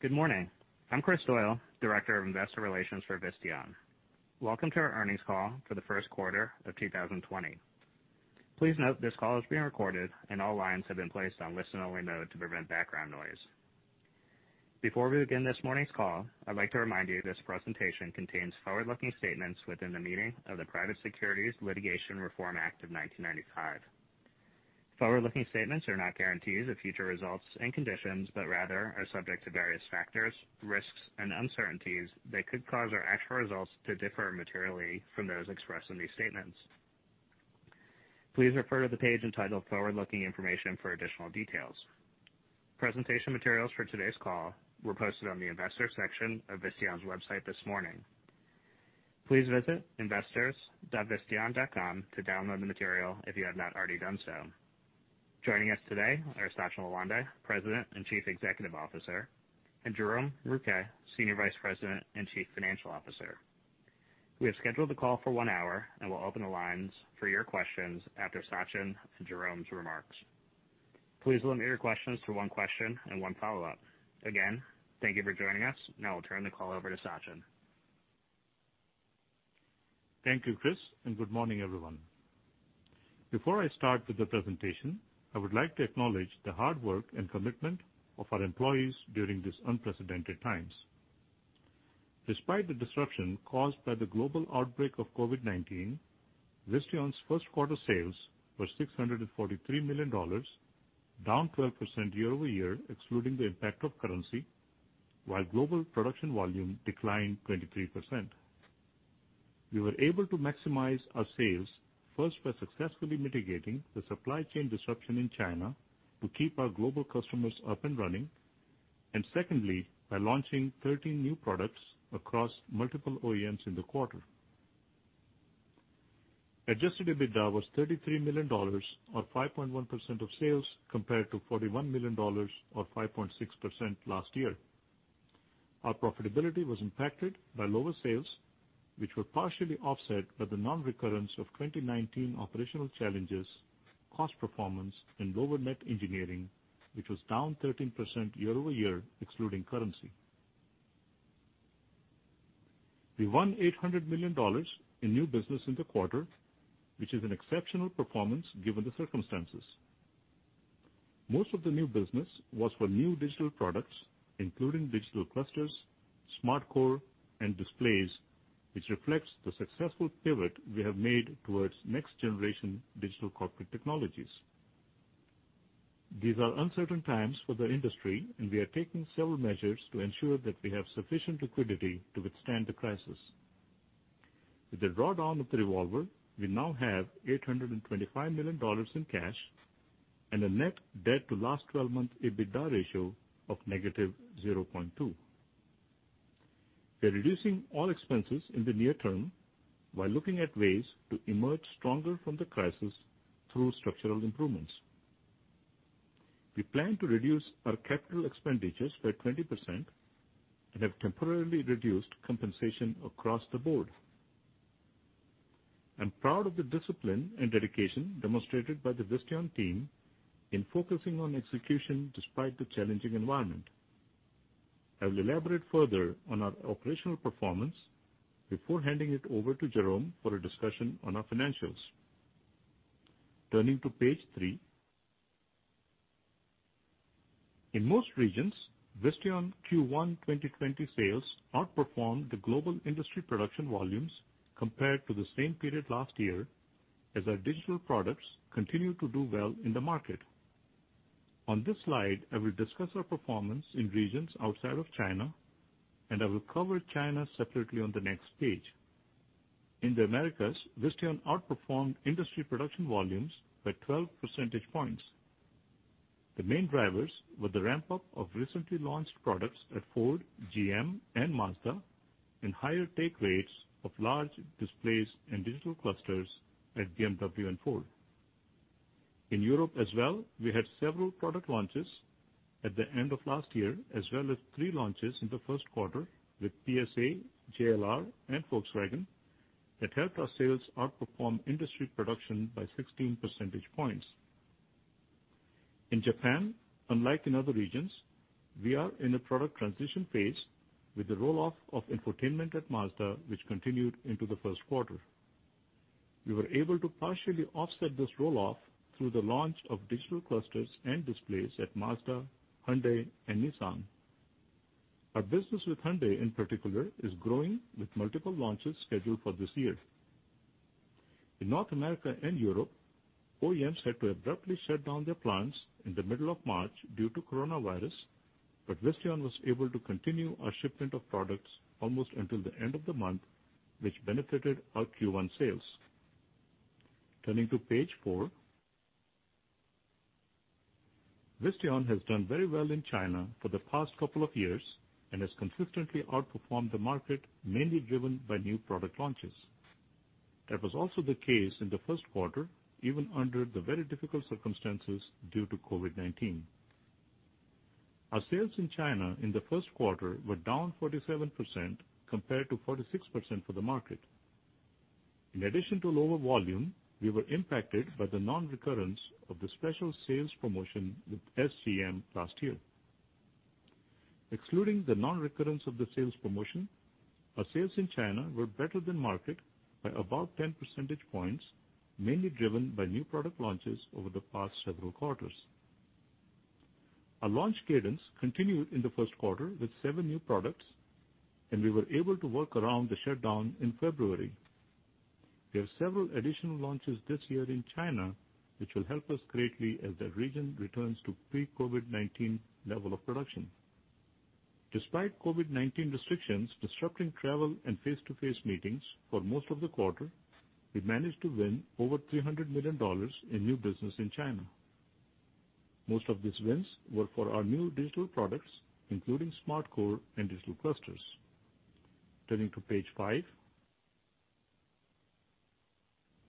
Good morning. I'm Kris Doyle, Director of Investor Relations for Visteon. Welcome to our Earnings Call for the First Quarter of 2020. Please note this call is being recorded, and all lines have been placed on listen-only mode to prevent background noise. Before we begin this morning's call, I'd like to remind you this presentation contains forward-looking statements within the meaning of the Private Securities Litigation Reform Act of 1995. Forward-looking statements are not guarantees of future results and conditions, but rather are subject to various factors, risks, and uncertainties that could cause our actual results to differ materially from those expressed in these statements. Please refer to the page entitled Forward-looking Information for additional details. Presentation materials for today's call were posted on the investor section of Visteon's website this morning. Please visit investors.visteon.com to download the material if you have not already done so. Joining us today are Sachin Lawande, President and Chief Executive Officer, and Jerome Rouquet, Senior Vice President and Chief Financial Officer. We have scheduled the call for one hour and will open the lines for your questions after Sachin and Jerome's remarks. Please limit your questions to one question and one follow-up. Again, thank you for joining us. Now I'll turn the call over to Sachin. Thank you, Kris, and good morning, everyone. Before I start with the presentation, I would like to acknowledge the hard work and commitment of our employees during these unprecedented times. Despite the disruption caused by the global outbreak of COVID-19, Visteon's first quarter sales were $643 million, down 12% year-over-year excluding the impact of currency, while global production volume declined 23%. We were able to maximize our sales, first by successfully mitigating the supply chain disruption in China to keep our global customers up and running, and secondly, by launching 13 new products across multiple OEMs in the quarter. Adjusted EBITDA was $33 million, or 5.1% of sales, compared to $41 million or 5.6% last year. Our profitability was impacted by lower sales, which were partially offset by the non-recurrence of 2019 operational challenges, cost performance and lower net engineering, which was down 13% year-over-year excluding currency. We won $800 million in new business in the quarter, which is an exceptional performance given the circumstances. Most of the new business was for new digital products, including digital clusters, SmartCore, and displays, which reflects the successful pivot we have made towards next generation digital cockpit technologies. These are uncertain times for the industry, and we are taking several measures to ensure that we have sufficient liquidity to withstand the crisis. With the drawdown of the revolver, we now have $825 million in cash and a net debt to last 12-month EBITDA ratio of -0.2. We are reducing all expenses in the near term while looking at ways to emerge stronger from the crisis through structural improvements. We plan to reduce our capital expenditures by 20% and have temporarily reduced compensation across the board. I'm proud of the discipline and dedication demonstrated by the Visteon team in focusing on execution despite the challenging environment. I will elaborate further on our operational performance before handing it over to Jerome for a discussion on our financials. Turning to page three. In most regions, Visteon Q1 2020 sales outperformed the global industry production volumes compared to the same period last year, as our digital products continue to do well in the market. On this slide, I will discuss our performance in regions outside of China. I will cover China separately on the next page. In the Americas, Visteon outperformed industry production volumes by 12 percentage points. The main drivers were the ramp-up of recently launched products at Ford, GM, and Mazda, and higher take rates of large displays and digital clusters at BMW and Ford. In Europe as well, we had several product launches at the end of last year as well as three launches in the first quarter with PSA, JLR, and Volkswagen that helped our sales outperform industry production by 16 percentage points. In Japan, unlike in other regions, we are in a product transition phase with the roll-off of infotainment at Mazda, which continued into the first quarter. We were able to partially offset this roll-off through the launch of digital clusters and displays at Mazda, Hyundai, and Nissan. Our business with Hyundai, in particular, is growing with multiple launches scheduled for this year. In North America and Europe, OEMs had to abruptly shut down their plants in the middle of March due to COVID-19, but Visteon was able to continue our shipment of products almost until the end of the month, which benefited our Q1 sales. Turning to page four. Visteon has done very well in China for the past couple of years and has consistently outperformed the market, mainly driven by new product launches. That was also the case in the first quarter, even under the very difficult circumstances due to COVID-19. Our sales in China in the first quarter were down 47% compared to 46% for the market. In addition to lower volume, we were impacted by the non-recurrence of the special sales promotion with SGM last year. Excluding the non-recurrence of the sales promotion, our sales in China were better than market by about 10 percentage points, mainly driven by new product launches over the past several quarters. Our launch cadence continued in the first quarter with seven new products, and we were able to work around the shutdown in February. We have several additional launches this year in China, which will help us greatly as the region returns to pre-COVID-19 level of production. Despite COVID-19 restrictions disrupting travel and face-to-face meetings for most of the quarter, we managed to win over $300 million in new business in China. Most of these wins were for our new digital products, including SmartCore and digital clusters. Turning to page five.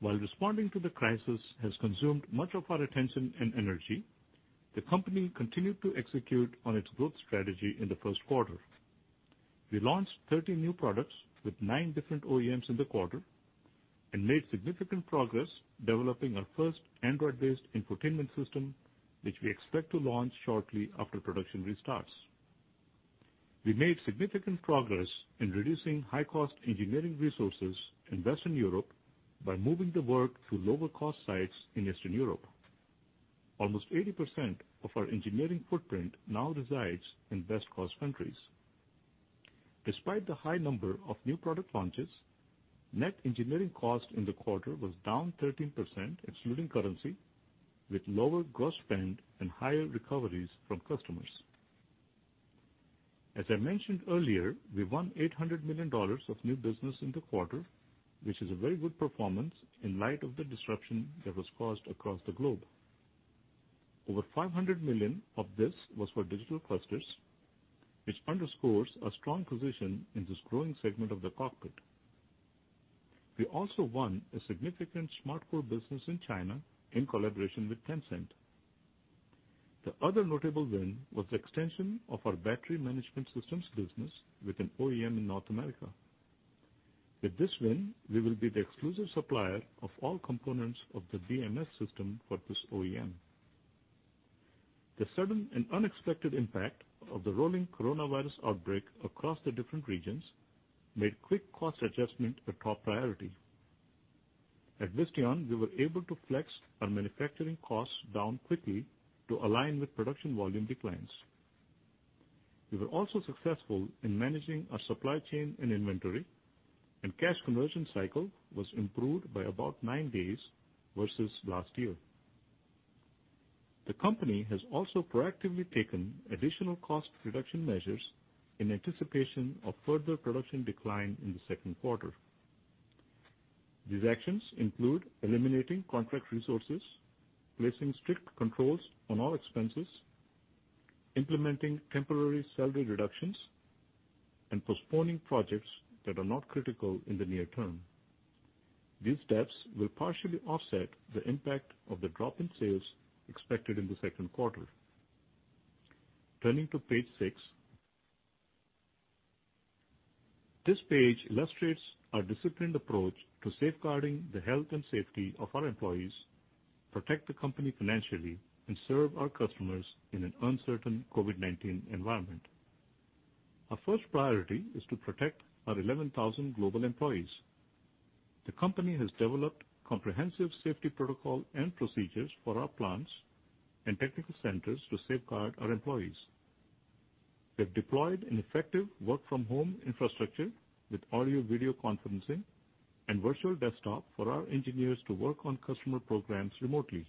While responding to the crisis has consumed much of our attention and energy, the company continued to execute on its growth strategy in the first quarter. We launched 13 new products with nine different OEMs in the quarter and made significant progress developing our first Android-based infotainment system, which we expect to launch shortly after production restarts. We made significant progress in reducing high-cost engineering resources in Western Europe by moving the work to lower-cost sites in Eastern Europe. Almost 80% of our engineering footprint now resides in best-cost countries. Despite the high number of new product launches, net engineering cost in the quarter was down 13%, excluding currency, with lower gross spend and higher recoveries from customers. As I mentioned earlier, we won $800 million of new business in the quarter, which is a very good performance in light of the disruption that was caused across the globe. Over $500 million of this was for digital clusters, which underscores our strong position in this growing segment of the cockpit. We also won a significant SmartCore business in China in collaboration with Tencent. The other notable win was the extension of our battery management systems business with an OEM in North America. With this win, we will be the exclusive supplier of all components of the BMS system for this OEM. The sudden and unexpected impact of the rolling coronavirus outbreak across the different regions made quick cost adjustment a top priority. At Visteon, we were able to flex our manufacturing costs down quickly to align with production volume declines. We were also successful in managing our supply chain and inventory, and cash conversion cycle was improved by about nine days versus last year. The company has also proactively taken additional cost reduction measures in anticipation of further production decline in the second quarter. These actions include eliminating contract resources, placing strict controls on all expenses, implementing temporary salary reductions, and postponing projects that are not critical in the near term. These steps will partially offset the impact of the drop in sales expected in the second quarter. Turning to page six. This page illustrates our disciplined approach to safeguarding the health and safety of our employees, protect the company financially, and serve our customers in an uncertain COVID-19 environment. Our first priority is to protect our 11,000 global employees. The company has developed comprehensive safety protocol and procedures for our plants and technical centers to safeguard our employees. We have deployed an effective work-from-home infrastructure with audio-video conferencing and virtual desktop for our engineers to work on customer programs remotely.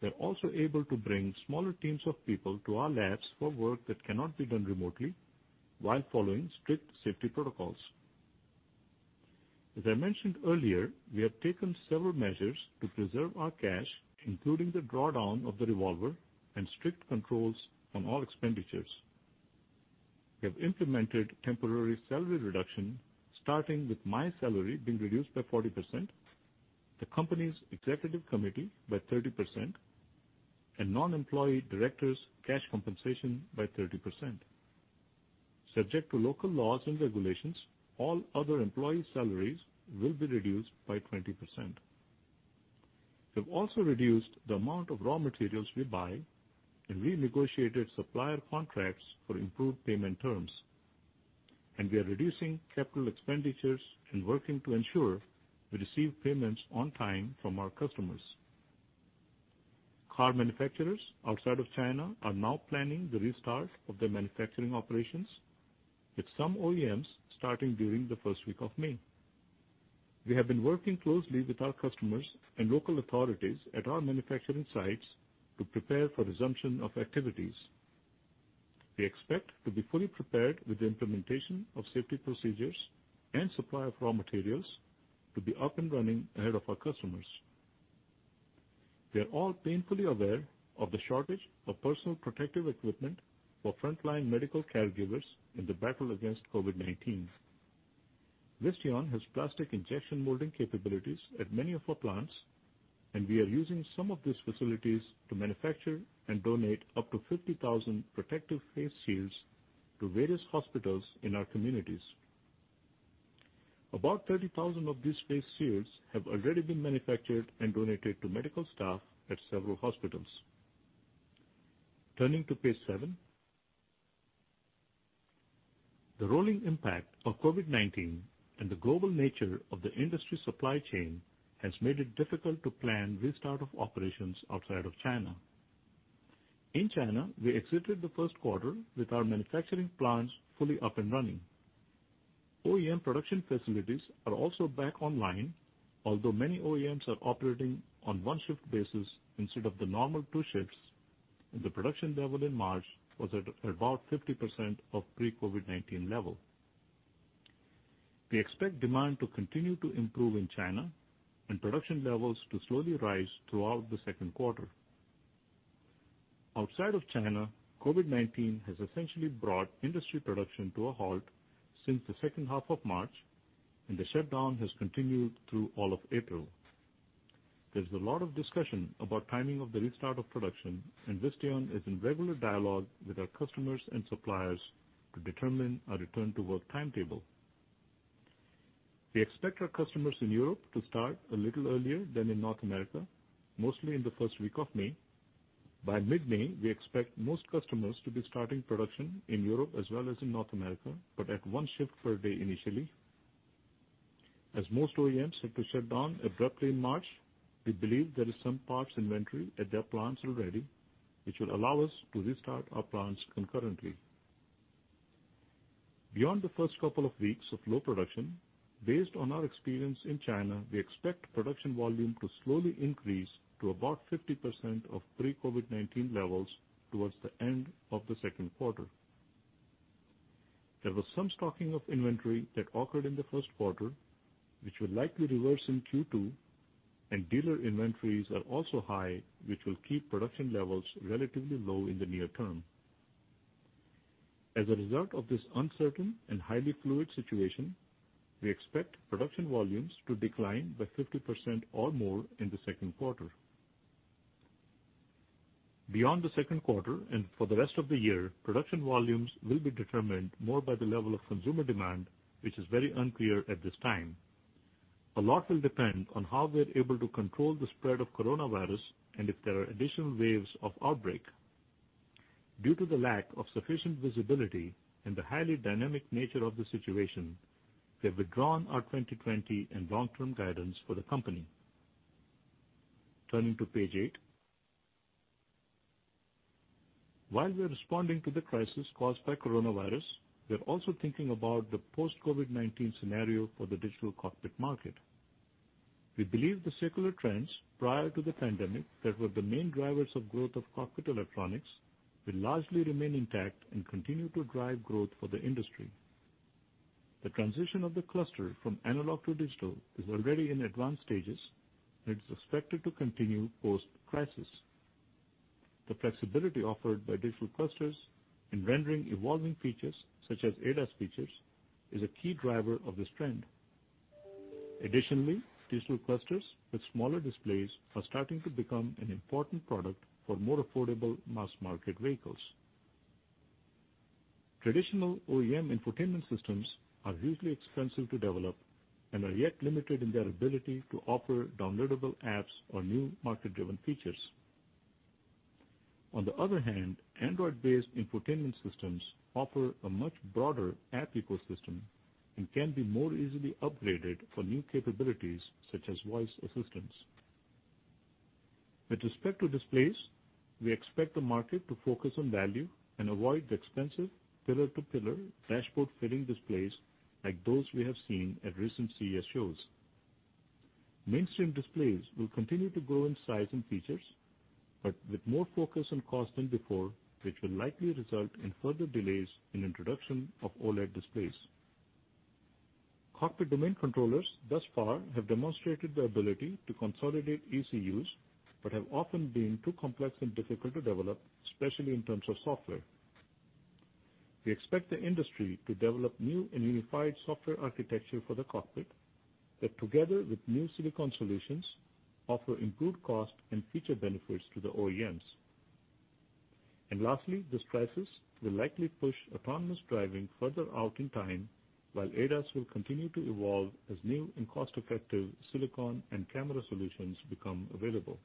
We are also able to bring smaller teams of people to our labs for work that cannot be done remotely while following strict safety protocols. As I mentioned earlier, we have taken several measures to preserve our cash, including the drawdown of the revolver and strict controls on all expenditures. We have implemented temporary salary reduction, starting with my salary being reduced by 40%, the company's executive committee by 30%, and non-employee directors' cash compensation by 30%. Subject to local laws and regulations, all other employee salaries will be reduced by 20%. We have also reduced the amount of raw materials we buy and renegotiated supplier contracts for improved payment terms, and we are reducing capital expenditures and working to ensure we receive payments on time from our customers. Car manufacturers outside of China are now planning the restart of their manufacturing operations, with some OEMs starting during the first week of May. We have been working closely with our customers and local authorities at our manufacturing sites to prepare for resumption of activities. We expect to be fully prepared with the implementation of safety procedures and supply of raw materials to be up and running ahead of our customers. We are all painfully aware of the shortage of personal protective equipment for frontline medical caregivers in the battle against COVID-19. Visteon has plastic injection molding capabilities at many of our plants. We are using some of these facilities to manufacture and donate up to 50,000 protective face shields to various hospitals in our communities. About 30,000 of these face shields have already been manufactured and donated to medical staff at several hospitals. Turning to page seven. The rolling impact of COVID-19 and the global nature of the industry supply chain has made it difficult to plan restart of operations outside of China. In China, we exited the first quarter with our manufacturing plants fully up and running. OEM production facilities are also back online, although many OEMs are operating on one shift basis instead of the normal two shifts, and the production level in March was at about 50% of pre-COVID-19 level. We expect demand to continue to improve in China and production levels to slowly rise throughout the second quarter. Outside of China, COVID-19 has essentially brought industry production to a halt since the second half of March, and the shutdown has continued through all of April. There's a lot of discussion about timing of the restart of production, and Visteon is in regular dialogue with our customers and suppliers to determine a return to work timetable. We expect our customers in Europe to start a little earlier than in North America, mostly in the first week of May. By mid-May, we expect most customers to be starting production in Europe as well as in North America, but at one shift per day initially. As most OEMs had to shut down abruptly in March, we believe there is some parts inventory at their plants already, which will allow us to restart our plants concurrently. Beyond the first couple of weeks of low production, based on our experience in China, we expect production volume to slowly increase to about 50% of pre-COVID-19 levels towards the end of the second quarter. There was some stocking of inventory that occurred in the first quarter, which will likely reverse in Q2, and dealer inventories are also high, which will keep production levels relatively low in the near term. As a result of this uncertain and highly fluid situation, we expect production volumes to decline by 50% or more in the second quarter. Beyond the second quarter and for the rest of the year, production volumes will be determined more by the level of consumer demand, which is very unclear at this time. A lot will depend on how we're able to control the spread of coronavirus and if there are additional waves of outbreak. Due to the lack of sufficient visibility and the highly dynamic nature of the situation, we have withdrawn our 2020 and long-term guidance for the company. Turning to page eight. While we are responding to the crisis caused by coronavirus, we are also thinking about the post-COVID-19 scenario for the digital cockpit market. We believe the secular trends prior to the pandemic that were the main drivers of growth of cockpit electronics will largely remain intact and continue to drive growth for the industry. The transition of the cluster from analog to digital is already in advanced stages, and it is expected to continue post-crisis. The flexibility offered by digital clusters in rendering evolving features such as ADAS features is a key driver of this trend. Additionally, digital clusters with smaller displays are starting to become an important product for more affordable mass-market vehicles. Traditional OEM infotainment systems are hugely expensive to develop and are yet limited in their ability to offer downloadable apps or new market-driven features. On the other hand, Android-based infotainment systems offer a much broader app ecosystem and can be more easily upgraded for new capabilities, such as voice assistance. With respect to displays, we expect the market to focus on value and avoid the expensive pillar-to-pillar dashboard filling displays like those we have seen at recent CES shows. Mainstream displays will continue to grow in size and features, but with more focus on cost than before, which will likely result in further delays in introduction of OLED displays. Cockpit domain controllers thus far have demonstrated the ability to consolidate ECUs, but have often been too complex and difficult to develop, especially in terms of software. We expect the industry to develop new and unified software architecture for the cockpit that, together with new silicon solutions, offer improved cost and feature benefits to the OEMs. Lastly, this crisis will likely push autonomous driving further out in time, while ADAS will continue to evolve as new and cost-effective silicon and camera solutions become available.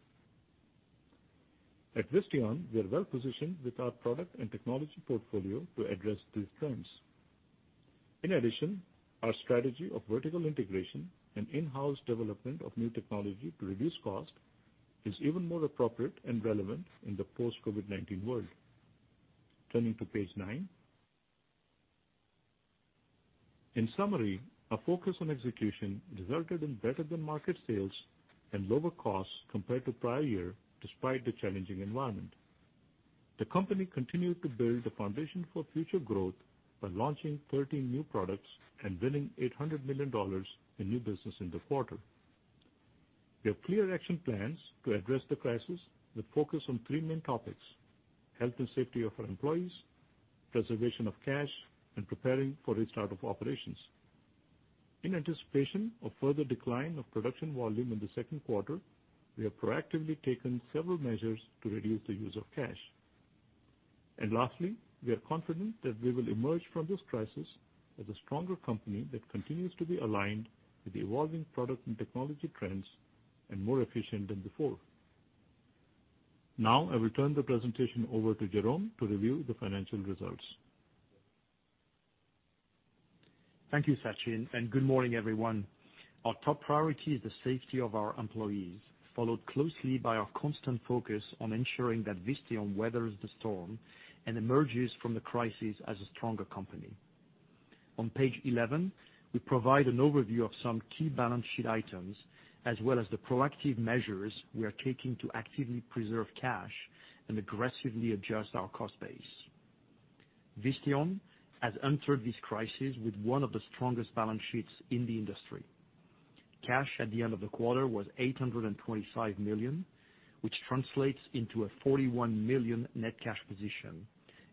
At Visteon, we are well positioned with our product and technology portfolio to address these trends. In addition, our strategy of vertical integration and in-house development of new technology to reduce cost is even more appropriate and relevant in the post-COVID-19 world. Turning to page nine. In summary, our focus on execution resulted in better-than-market sales and lower costs compared to prior year, despite the challenging environment. The company continued to build the foundation for future growth by launching 13 new products and winning $800 million in new business in the quarter. We have clear action plans to address the crisis that focus on three main topics: health and safety of our employees, preservation of cash, and preparing for restart of operations. In anticipation of further decline of production volume in the second quarter, we have proactively taken several measures to reduce the use of cash. Lastly, we are confident that we will emerge from this crisis as a stronger company that continues to be aligned with the evolving product and technology trends, and more efficient than before. Now, I will turn the presentation over to Jerome to review the financial results. Thank you, Sachin. Good morning, everyone. Our top priority is the safety of our employees, followed closely by our constant focus on ensuring that Visteon weathers the storm and emerges from the crisis as a stronger company. On page 11, we provide an overview of some key balance sheet items, as well as the proactive measures we are taking to actively preserve cash and aggressively adjust our cost base. Visteon has entered this crisis with one of the strongest balance sheets in the industry. Cash at the end of the quarter was $825 million, which translates into a $41 million net cash position,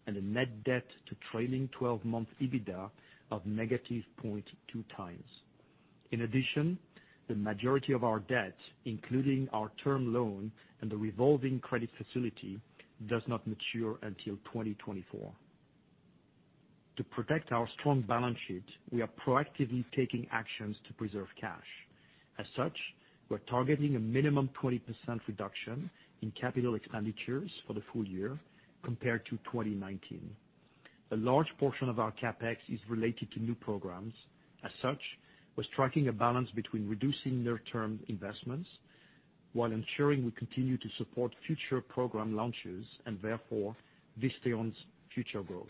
and a net debt to trailing 12-month EBITDA of -0.2x. In addition, the majority of our debt, including our term loan and the revolving credit facility, does not mature until 2024. To protect our strong balance sheet, we are proactively taking actions to preserve cash. As such, we're targeting a minimum 20% reduction in capital expenditures for the full year compared to 2019. A large portion of our CapEx is related to new programs. As such, we're striking a balance between reducing near-term investments while ensuring we continue to support future program launches, and therefore Visteon's future growth.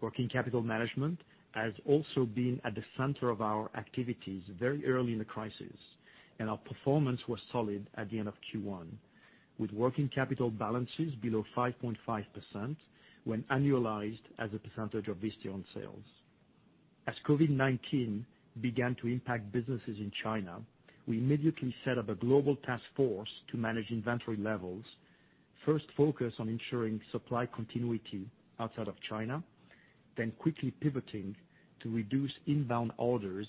Working capital management has also been at the center of our activities very early in the crisis, and our performance was solid at the end of Q1, with working capital balances below 5.5% when annualized as a percentage of Visteon sales. As COVID-19 began to impact businesses in China, we immediately set up a global task force to manage inventory levels. First focus on ensuring supply continuity outside of China, then quickly pivoting to reduce inbound orders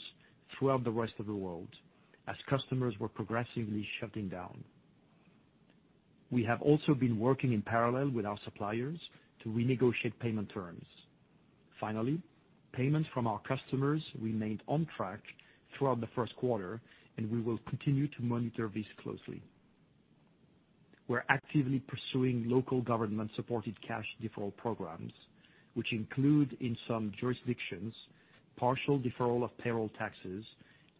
throughout the rest of the world as customers were progressively shutting down. We have also been working in parallel with our suppliers to renegotiate payment terms. Finally, payments from our customers remained on track throughout the first quarter, and we will continue to monitor this closely. We're actively pursuing local government-supported cash deferral programs, which include, in some jurisdictions, partial deferral of payroll taxes,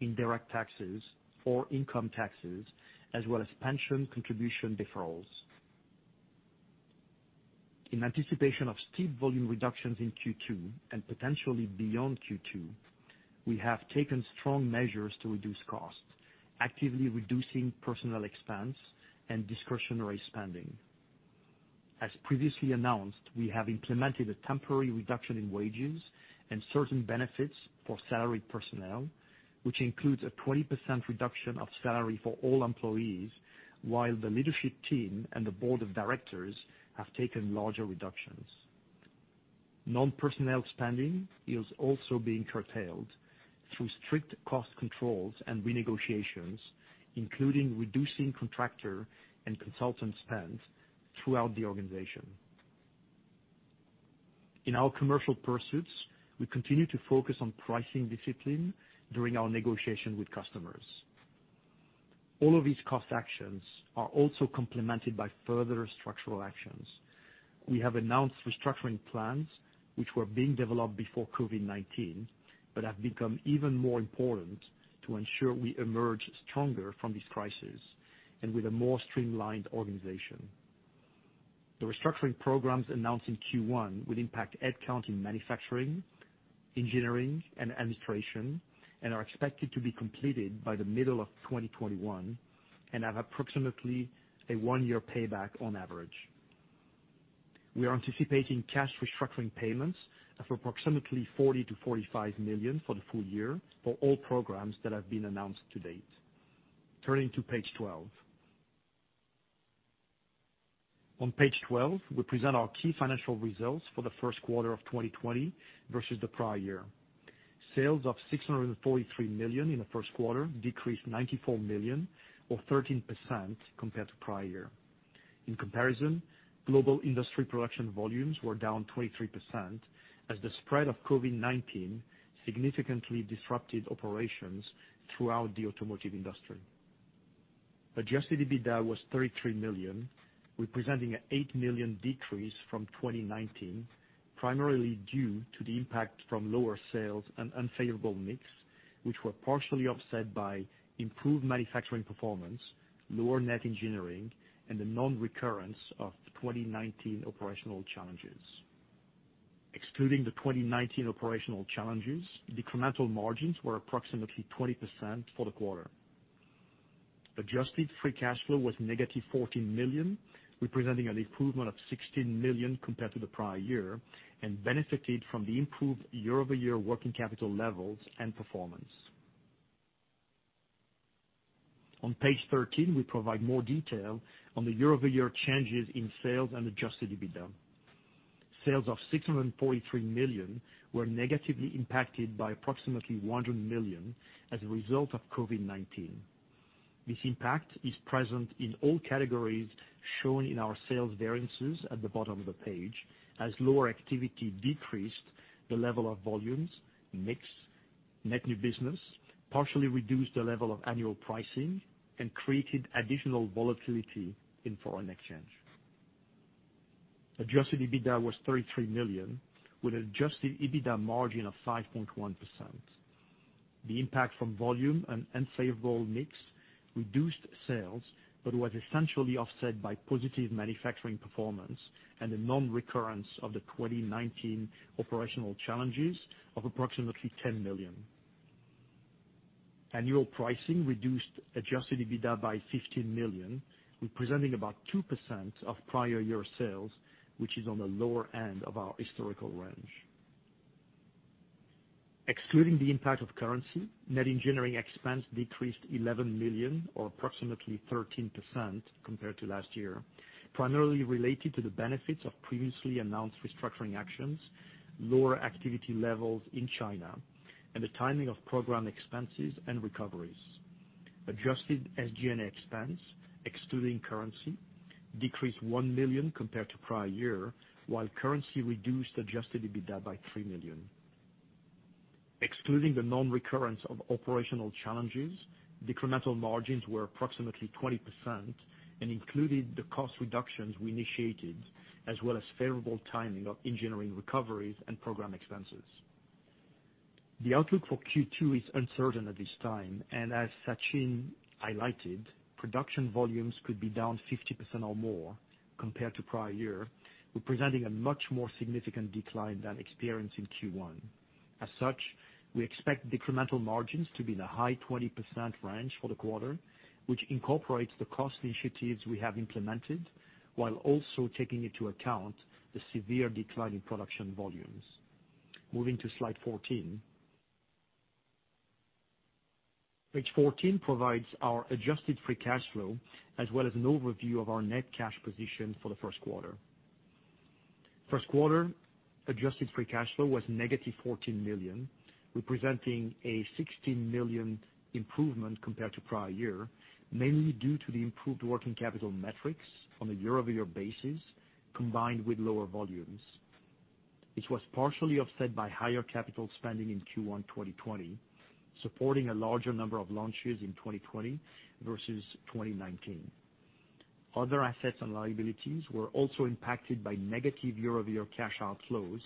indirect taxes, or income taxes, as well as pension contribution deferrals. In anticipation of steep volume reductions in Q2, and potentially beyond Q2, we have taken strong measures to reduce costs, actively reducing personnel expense and discretionary spending. As previously announced, we have implemented a temporary reduction in wages and certain benefits for salaried personnel, which includes a 20% reduction of salary for all employees, while the leadership team and the board of directors have taken larger reductions. Non-personnel spending is also being curtailed through strict cost controls and renegotiations, including reducing contractor and consultant spend throughout the organization. In our commercial pursuits, we continue to focus on pricing discipline during our negotiation with customers. All of these cost actions are also complemented by further structural actions. We have announced restructuring plans, which were being developed before COVID-19, but have become even more important to ensure we emerge stronger from this crisis, and with a more streamlined organization. The restructuring programs announced in Q1 will impact head count in manufacturing, engineering, and administration, and are expected to be completed by the middle of 2021, and have approximately a one-year payback on average. We are anticipating cash restructuring payments of approximately $40 million-$45 million for the full year for all programs that have been announced to date. Turning to page 12. On page 12, we present our key financial results for the first quarter of 2020 versus the prior year. Sales of $643 million in the first quarter decreased $94 million or 13% compared to prior year. In comparison, global industry production volumes were down 23% as the spread of COVID-19 significantly disrupted operations throughout the automotive industry. Adjusted EBITDA was $33 million, representing an $8 million decrease from 2019, primarily due to the impact from lower sales and unfavorable mix, which were partially offset by improved manufacturing performance, lower net engineering, and the non-recurrence of 2019 operational challenges. Excluding the 2019 operational challenges, incremental margins were approximately 20% for the quarter. Adjusted free cash flow was -$14 million, representing an improvement of $16 million compared to the prior year, and benefited from the improved year-over-year working capital levels and performance. On page 13, we provide more detail on the year-over-year changes in sales and adjusted EBITDA. Sales of $643 million were negatively impacted by approximately $100 million as a result of COVID-19. This impact is present in all categories shown in our sales variances at the bottom of the page, as lower activity decreased the level of volumes, mix, net new business, partially reduced the level of annual pricing, and created additional volatility in foreign exchange. Adjusted EBITDA was $33 million, with adjusted EBITDA margin of 5.1%. The impact from volume and unfavorable mix reduced sales but was essentially offset by positive manufacturing performance and the non-recurrence of the 2019 operational challenges of approximately $10 million. Annual pricing reduced adjusted EBITDA by $15 million, representing about 2% of prior year sales, which is on the lower end of our historical range. Excluding the impact of currency, net engineering expense decreased $11 million or approximately 13% compared to last year, primarily related to the benefits of previously announced restructuring actions, lower activity levels in China, and the timing of program expenses and recoveries. Adjusted SG&A expense, excluding currency, decreased $1 million compared to prior year, while currency reduced adjusted EBITDA by $3 million. Excluding the non-recurrence of operational challenges, incremental margins were approximately 20% and included the cost reductions we initiated, as well as favorable timing of engineering recoveries and program expenses. The outlook for Q2 is uncertain at this time, and as Sachin highlighted, production volumes could be down 50% or more compared to prior year, representing a much more significant decline than experienced in Q1. As such, we expect incremental margins to be in the high 20% range for the quarter, which incorporates the cost initiatives we have implemented while also taking into account the severe decline in production volumes. Moving to slide 14. Page 14 provides our adjusted free cash flow as well as an overview of our net cash position for the first quarter. First quarter adjusted free cash flow was -$14 million, representing a $16 million improvement compared to prior year, mainly due to the improved working capital metrics on a year-over-year basis, combined with lower volumes, which was partially offset by higher capital spending in Q1 2020, supporting a larger number of launches in 2020 versus 2019. Other assets and liabilities were also impacted by negative year-over-year cash outflows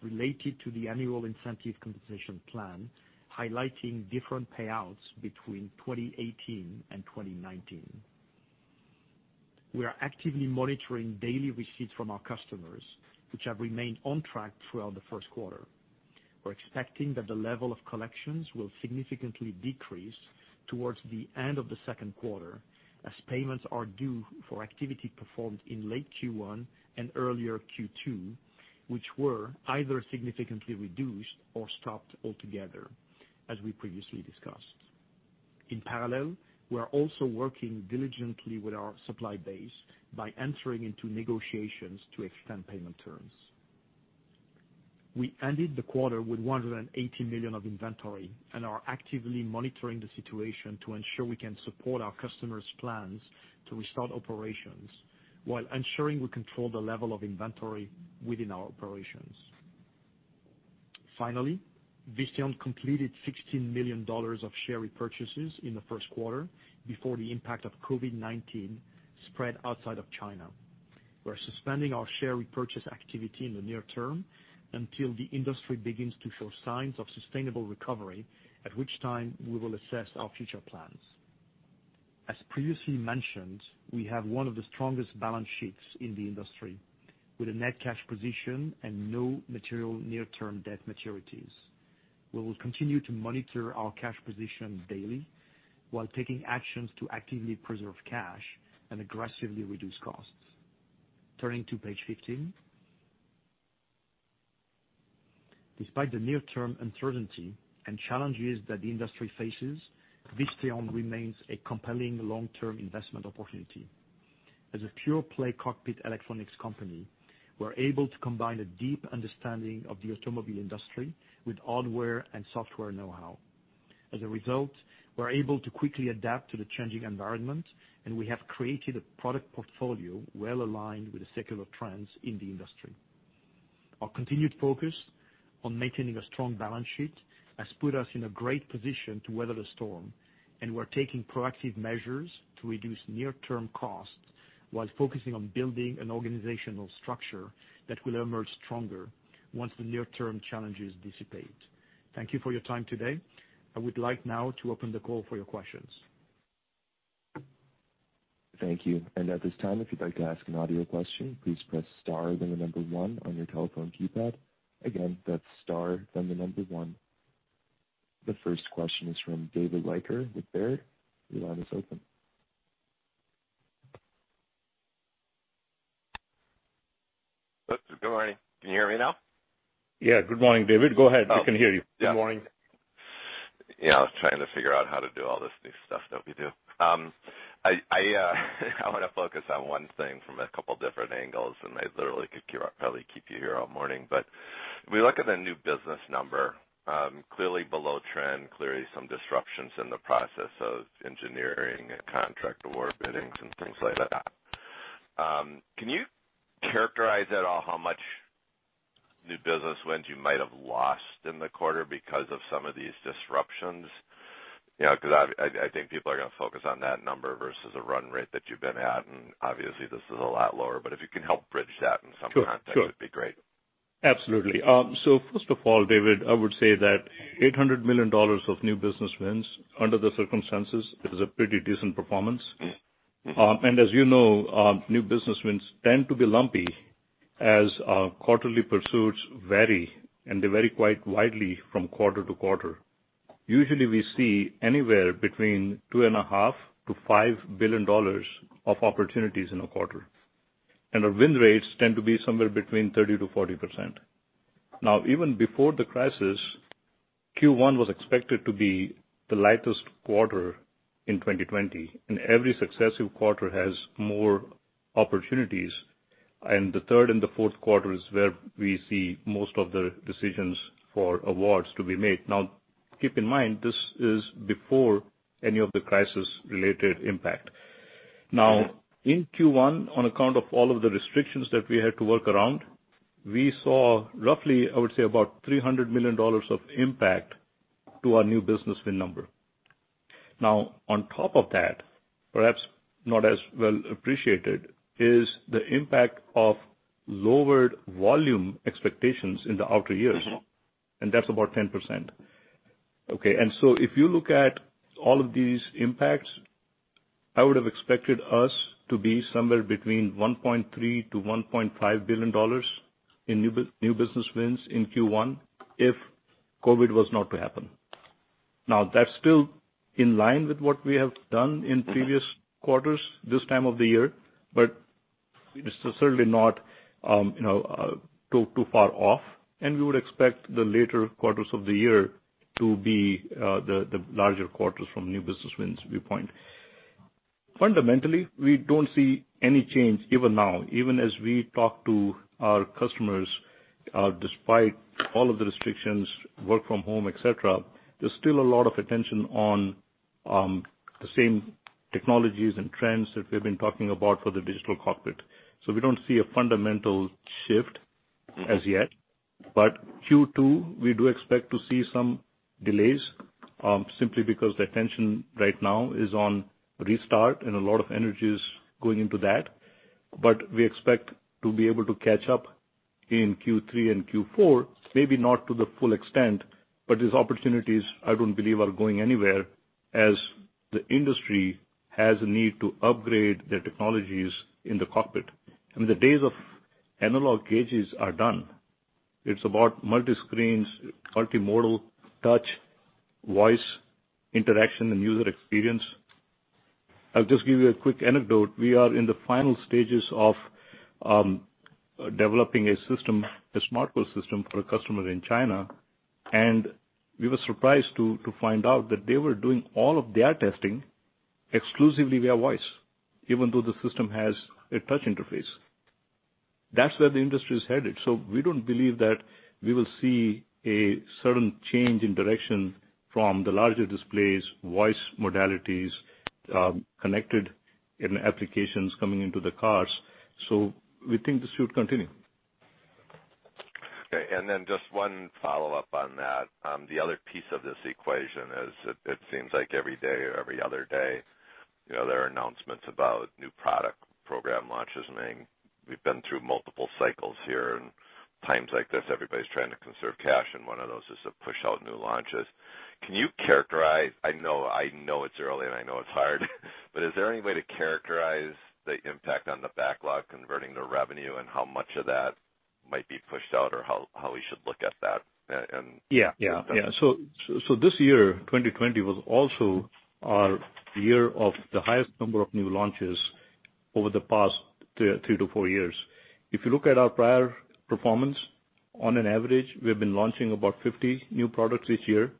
related to the annual incentive compensation plan, highlighting different payouts between 2018 and 2019. We are actively monitoring daily receipts from our customers, which have remained on track throughout the first quarter. We're expecting that the level of collections will significantly decrease towards the end of the second quarter as payments are due for activity performed in late Q1 and earlier Q2, which were either significantly reduced or stopped altogether, as we previously discussed. In parallel, we are also working diligently with our supply base by entering into negotiations to extend payment terms. We ended the quarter with $180 million of inventory and are actively monitoring the situation to ensure we can support our customers' plans to restart operations while ensuring we control the level of inventory within our operations. Finally, Visteon completed $16 million of share repurchases in the first quarter before the impact of COVID-19 spread outside of China. We're suspending our share repurchase activity in the near term until the industry begins to show signs of sustainable recovery, at which time we will assess our future plans. As previously mentioned, we have one of the strongest balance sheets in the industry with a net cash position and no material near-term debt maturities. We will continue to monitor our cash position daily while taking actions to actively preserve cash and aggressively reduce costs. Turning to page 15. Despite the near-term uncertainty and challenges that the industry faces, Visteon remains a compelling long-term investment opportunity. As a pure-play cockpit electronics company, we're able to combine a deep understanding of the automobile industry with hardware and software know-how. As a result, we're able to quickly adapt to the changing environment. We have created a product portfolio well-aligned with the secular trends in the industry. Our continued focus on maintaining a strong balance sheet has put us in a great position to weather the storm. We're taking proactive measures to reduce near-term costs while focusing on building an organizational structure that will emerge stronger once the near-term challenges dissipate. Thank you for your time today. I would like now to open the call for your questions. Thank you. At this time, if you'd like to ask an audio question, please press star, then the number one on your telephone keypad. Again, that's star, then the number one. The first question is from David Leiker with Baird. Your line is open. Good morning. Can you hear me now? Yeah. Good morning, David. Go ahead. Oh. We can hear you. Yeah. Good morning. Yeah, I was trying to figure out how to do all this new stuff that we do. I want to focus on one thing from a couple different angles. I literally could probably keep you here all morning. If we look at the new business number, clearly below trend, clearly some disruptions in the process of engineering and contract award biddings and things like that. Can you characterize at all how much new business wins you might have lost in the quarter because of some of these disruptions? I think people are going to focus on that number versus a run rate that you've been at. Obviously, this is a lot lower. If you can help bridge that in some context. Sure. That'd be great. Absolutely. first of all, David, I would say that $800 million of new business wins under the circumstances is a pretty decent performance. As you know, new business wins tend to be lumpy as quarterly pursuits vary, and they vary quite widely from quarter to quarter. Usually, we see anywhere between $2.5 billion-$5 billion of opportunities in a quarter, and our win rates tend to be somewhere between 30%-40%. Even before the crisis, Q1 was expected to be the lightest quarter in 2020, and every successive quarter has more opportunities. The third and the fourth quarter is where we see most of the decisions for awards to be made. Keep in mind, this is before any of the crisis-related impact. Now in Q1, on account of all of the restrictions that we had to work around, we saw roughly, I would say, about $300 million of impact to our new business win number. On top of that, perhaps not as well appreciated, is the impact of lowered volume expectations in the outer years. That's about 10%. Okay, if you look at all of these impacts, I would have expected us to be somewhere between $1.3 billion-$1.5 billion in new business wins in Q1 if COVID was not to happen. That's still in line with what we have done in previous quarters this time of the year, but it is certainly not too far off, and we would expect the later quarters of the year to be the larger quarters from new business wins viewpoint. Fundamentally, we don't see any change even now, even as we talk to our customers, despite all of the restrictions, work from home, et cetera, there's still a lot of attention on the same technologies and trends that we've been talking about for the digital cockpit. We don't see a fundamental shift as yet. But Q2, we do expect to see some delays, simply because the attention right now is on restart and a lot of energy is going into that. We expect to be able to catch up in Q3 and Q4, maybe not to the full extent, but these opportunities, I don't believe are going anywhere as the industry has a need to upgrade their technologies in the cockpit. I mean, the days of analog gauges are done. It's about multi-screens, multimodal touch, voice interaction, and user experience. I'll just give you a quick anecdote. We are in the final stages of developing a system, a SmartCore system for a customer in China, and we were surprised to find out that they were doing all of their testing exclusively via voice, even though the system has a touch interface. That's where the industry is headed. We don't believe that we will see a sudden change in direction from the larger displays, voice modalities, connected applications coming into the cars. We think this should continue. Okay, just one follow-up on that. The other piece of this equation is it seems like every day or every other day, there are announcements about new product program launches. I mean, we've been through multiple cycles here. Times like this, everybody's trying to conserve cash, and one of those is to push out new launches. Can you characterize-- I know it's early and I know it's hard, is there any way to characterize the impact on the backlog converting to revenue and how much of that might be pushed out or how we should look at that? Yeah. In terms of- This year, 2020, was also our year of the highest number of new launches over the past three to four years. If you look at our prior performance, on an average, we have been launching about 50 new products each year.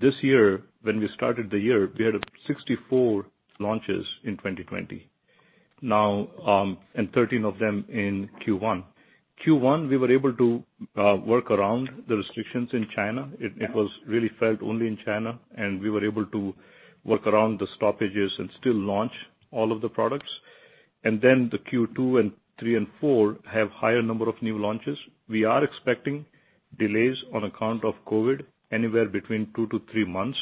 This year, when we started the year, we had 64 launches in 2020. 13 of them in Q1. Q1, we were able to work around the restrictions in China. Yeah. It was really felt only in China, and we were able to work around the stoppages and still launch all of the products. The Q2 and three and four have higher number of new launches. We are expecting delays on account of COVID anywhere between two to three months,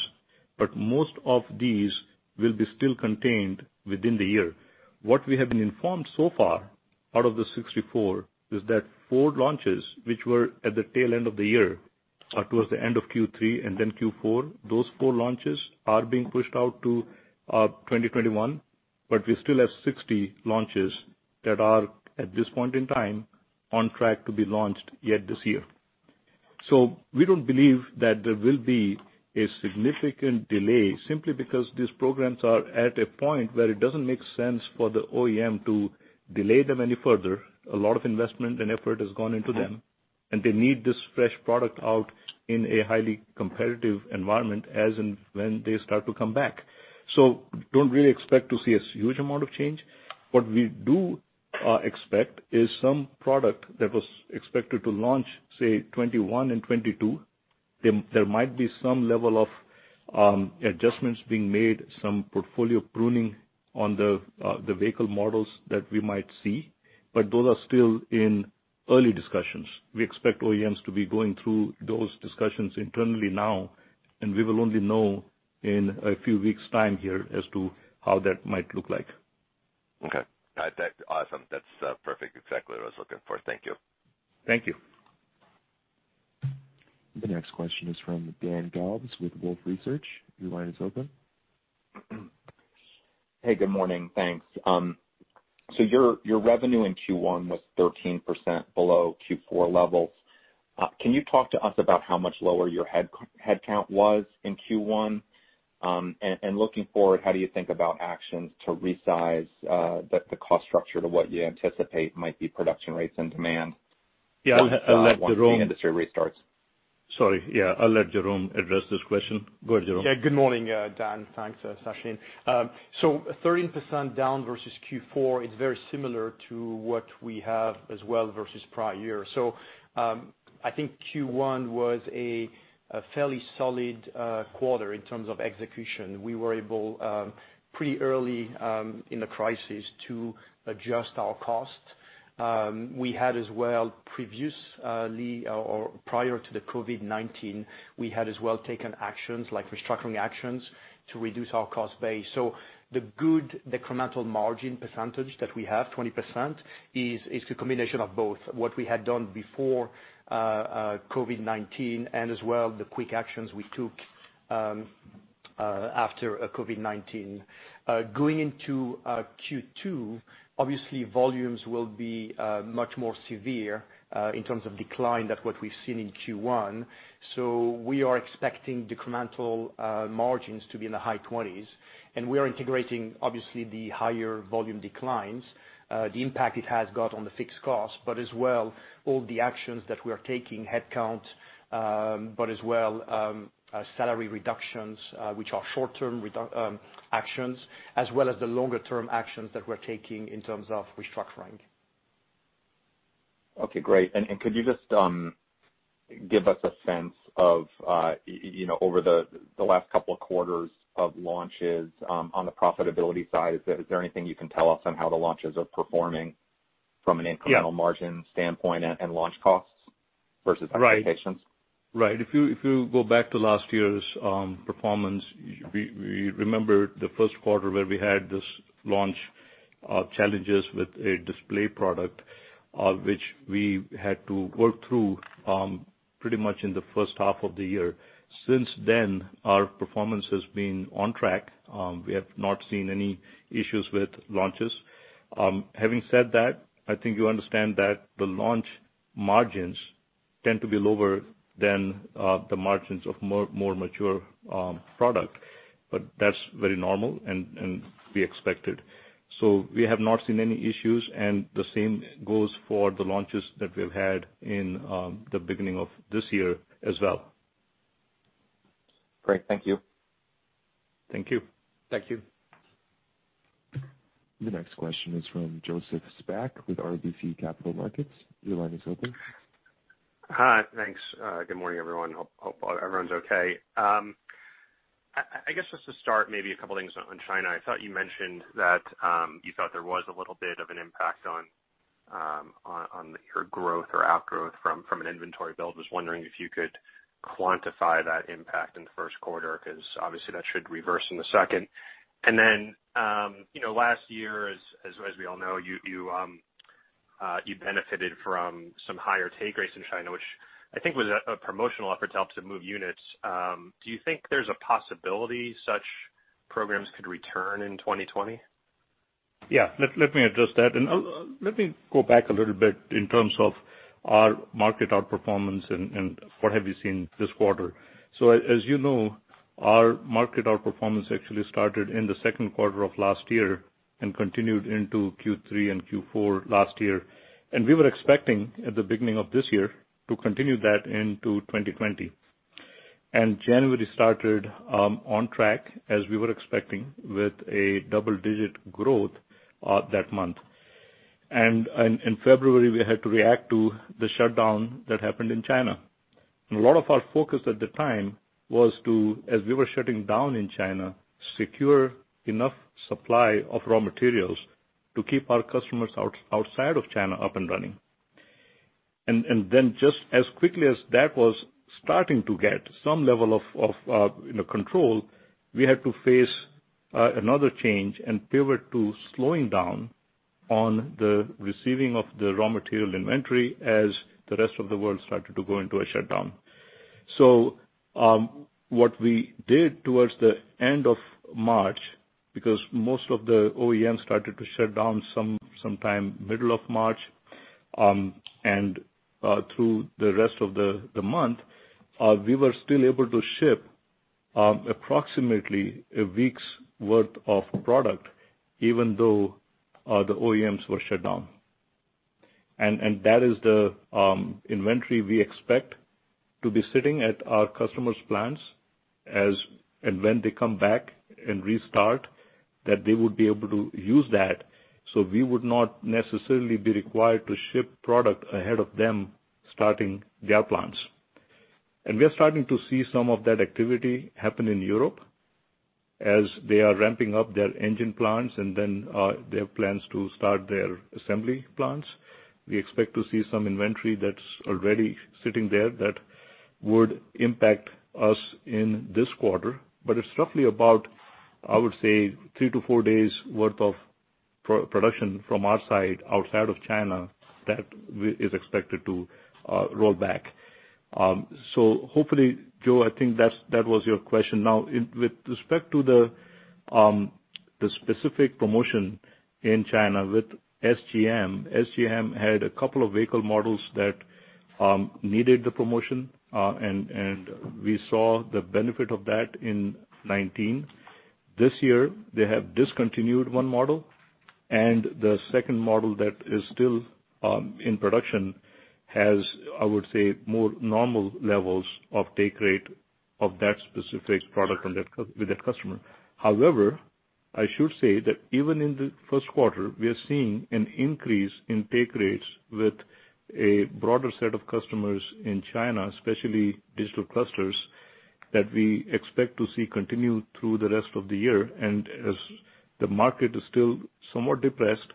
but most of these will be still contained within the year. What we have been informed so far, out of the 64, is that four launches which were at the tail end of the year, towards the end of Q3 and then Q4, those four launches are being pushed out to 2021. We still have 60 launches that are, at this point in time, on track to be launched yet this year. We don't believe that there will be a significant delay simply because these programs are at a point where it doesn't make sense for the OEM to delay them any further. A lot of investment and effort has gone into them, and they need this fresh product out in a highly competitive environment as and when they start to come back. Don't really expect to see a huge amount of change. What we do expect is some product that was expected to launch, say, 2021 and 2022. There might be some level of adjustments being made, some portfolio pruning on the vehicle models that we might see, but those are still in early discussions. We expect OEMs to be going through those discussions internally now, and we will only know in a few weeks' time here as to how that might look like. Okay. Awesome. That's perfect. Exactly what I was looking for. Thank you. Thank you. The next question is from Dan Galves with Wolfe Research. Your line is open. Hey, good morning. Thanks. Your revenue in Q1 was 13% below Q4 levels. Can you talk to us about how much lower your headcount was in Q1? Looking forward, how do you think about actions to resize the cost structure to what you anticipate might be production rates and demand? Yeah, I'll let Jerome. Once the industry restarts? Sorry, yeah, I'll let Jerome address this question. Go ahead, Jerome. Yeah. Good morning, Dan. Thanks, Sachin. 13% down versus Q4 is very similar to what we have as well versus prior year. I think Q1 was a fairly solid quarter in terms of execution. We were able, pretty early in the crisis, to adjust our cost. We had as well previously, or prior to the COVID-19, we had as well taken actions like restructuring actions to reduce our cost base. The good incremental margin percentage that we have, 20%, is a combination of both what we had done before COVID-19 and as well the quick actions we took after COVID-19. Going into Q2, obviously volumes will be much more severe in terms of decline than what we've seen in Q1, we are expecting incremental margins to be in the high 20s. We are integrating, obviously, the higher volume declines, the impact it has got on the fixed cost, but as well all the actions that we are taking, headcount, but as well salary reductions which are short-term actions, as well as the longer-term actions that we're taking in terms of restructuring. Okay, great. Could you just give us a sense of over the last couple of quarters of launches on the profitability side, is there anything you can tell us on how the launches are performing from an incremental- Yeah. margin standpoint and launch costs versus expectations? Right. If you go back to last year's performance, you remember the first quarter where we had this launch challenges with a display product, which we had to work through pretty much in the first half of the year. Since then, our performance has been on track. We have not seen any issues with launches. Having said that, I think you understand that the launch margins tend to be lower than the margins of more mature product, but that's very normal and to be expected. We have not seen any issues and the same goes for the launches that we've had in the beginning of this year as well. Great. Thank you. Thank you. Thank you. The next question is from Joseph Spak with RBC Capital Markets. Your line is open. Hi. Thanks. Good morning, everyone. Hope everyone's okay. I guess just to start, maybe a couple of things on China. I thought you mentioned that you thought there was a little bit of an impact on your growth or outgrowth from an inventory build. Was wondering if you could quantify that impact in the first quarter, because obviously that should reverse in the second. Then last year, as we all know, you benefited from some higher take rates in China, which I think was a promotional effort to help to move units. Do you think there's a possibility such programs could return in 2020? Yeah. Let me address that. Let me go back a little bit in terms of our market outperformance and what have you seen this quarter. As you know, our market outperformance actually started in the second quarter of last year and continued into Q3 and Q4 last year. We were expecting at the beginning of this year to continue that into 2020. January started on track as we were expecting with a double-digit growth that month. In February, we had to react to the shutdown that happened in China. A lot of our focus at the time was to, as we were shutting down in China, secure enough supply of raw materials to keep our customers outside of China up and running. Just as quickly as that was starting to get some level of control, we had to face another change and pivot to slowing down on the receiving of the raw material inventory as the rest of the world started to go into a shutdown. What we did towards the end of March, because most of the OEMs started to shut down sometime middle of March, and through the rest of the month, we were still able to ship approximately a week's worth of product, even though the OEMs were shut down. That is the inventory we expect to be sitting at our customers' plants as and when they come back and restart, that they would be able to use that, so we would not necessarily be required to ship product ahead of them starting their plants. We are starting to see some of that activity happen in Europe as they are ramping up their engine plants and then their plans to start their assembly plants. We expect to see some inventory that's already sitting there that would impact us in this quarter, but it's roughly about, I would say, three to four days worth of production from our side outside of China that is expected to roll back. Hopefully, Joe, I think that was your question. With respect to the specific promotion in China with SAIC-GM, SAIC-GM had a couple of vehicle models that needed the promotion, and we saw the benefit of that in 2019. This year, they have discontinued one model, and the second model that is still in production has, I would say, more normal levels of take rate of that specific product with that customer. However, I should say that even in the first quarter, we are seeing an increase in take rates with a broader set of customers in China, especially digital clusters, that we expect to see continue through the rest of the year. As the market is still somewhat depressed,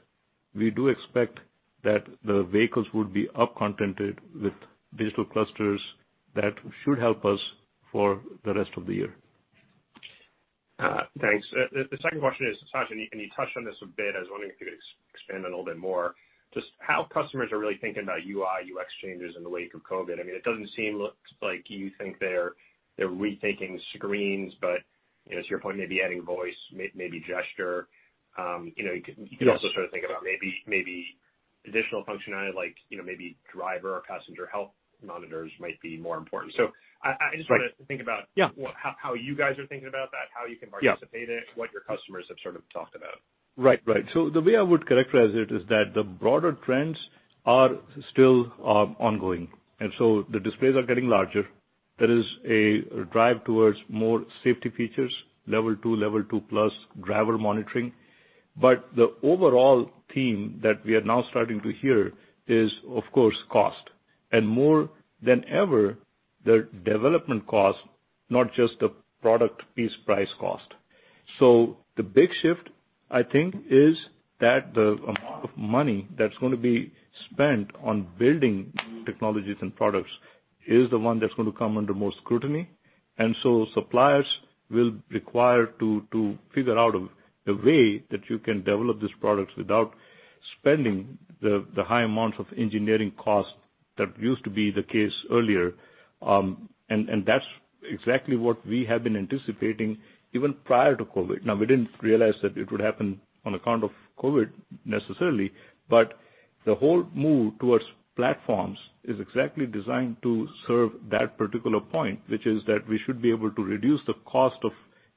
we do expect that the vehicles would be up contented with digital clusters that should help us for the rest of the year. Thanks. The second question is, Sachin, and you touched on this a bit, I was wondering if you could expand on it a little bit more, just how customers are really thinking about UI, UX changes in the wake of COVID. It doesn't seem like you think they're rethinking screens, but to your point, maybe adding voice, maybe gesture. Yes. You could also think about maybe additional functionality like maybe driver or passenger health monitors might be more important. Yeah. How you guys are thinking about that, how you can participate it, what your customers have talked about? Right. The way I would characterize it is that the broader trends are still ongoing. The displays are getting larger. There is a drive towards more safety features, level two, level two plus driver monitoring. The overall theme that we are now starting to hear is, of course, cost. More than ever, the development cost, not just the product piece price cost. The big shift, I think, is that the amount of money that's going to be spent on building technologies and products is the one that's going to come under more scrutiny. Suppliers will require to figure out a way that you can develop these products without spending the high amount of engineering cost that used to be the case earlier. That's exactly what we have been anticipating even prior to COVID. Now, we didn't realize that it would happen on account of COVID necessarily, but the whole move towards platforms is exactly designed to serve that particular point, which is that we should be able to reduce the cost of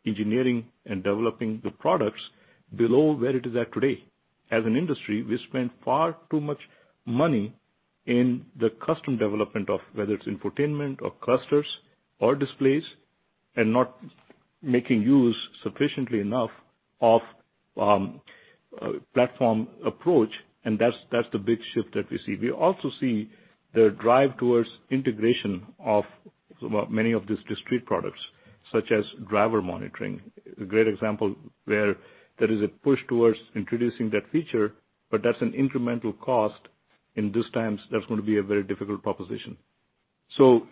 engineering and developing the products below where it is at today. As an industry, we spend far too much money in the custom development of, whether it's infotainment or clusters or displays, and not making use sufficiently enough of platform approach, and that's the big shift that we see. We also see the drive towards integration of many of these discrete products, such as driver monitoring. A great example where there is a push towards introducing that feature, but that's an incremental cost. In these times, that's going to be a very difficult proposition. So,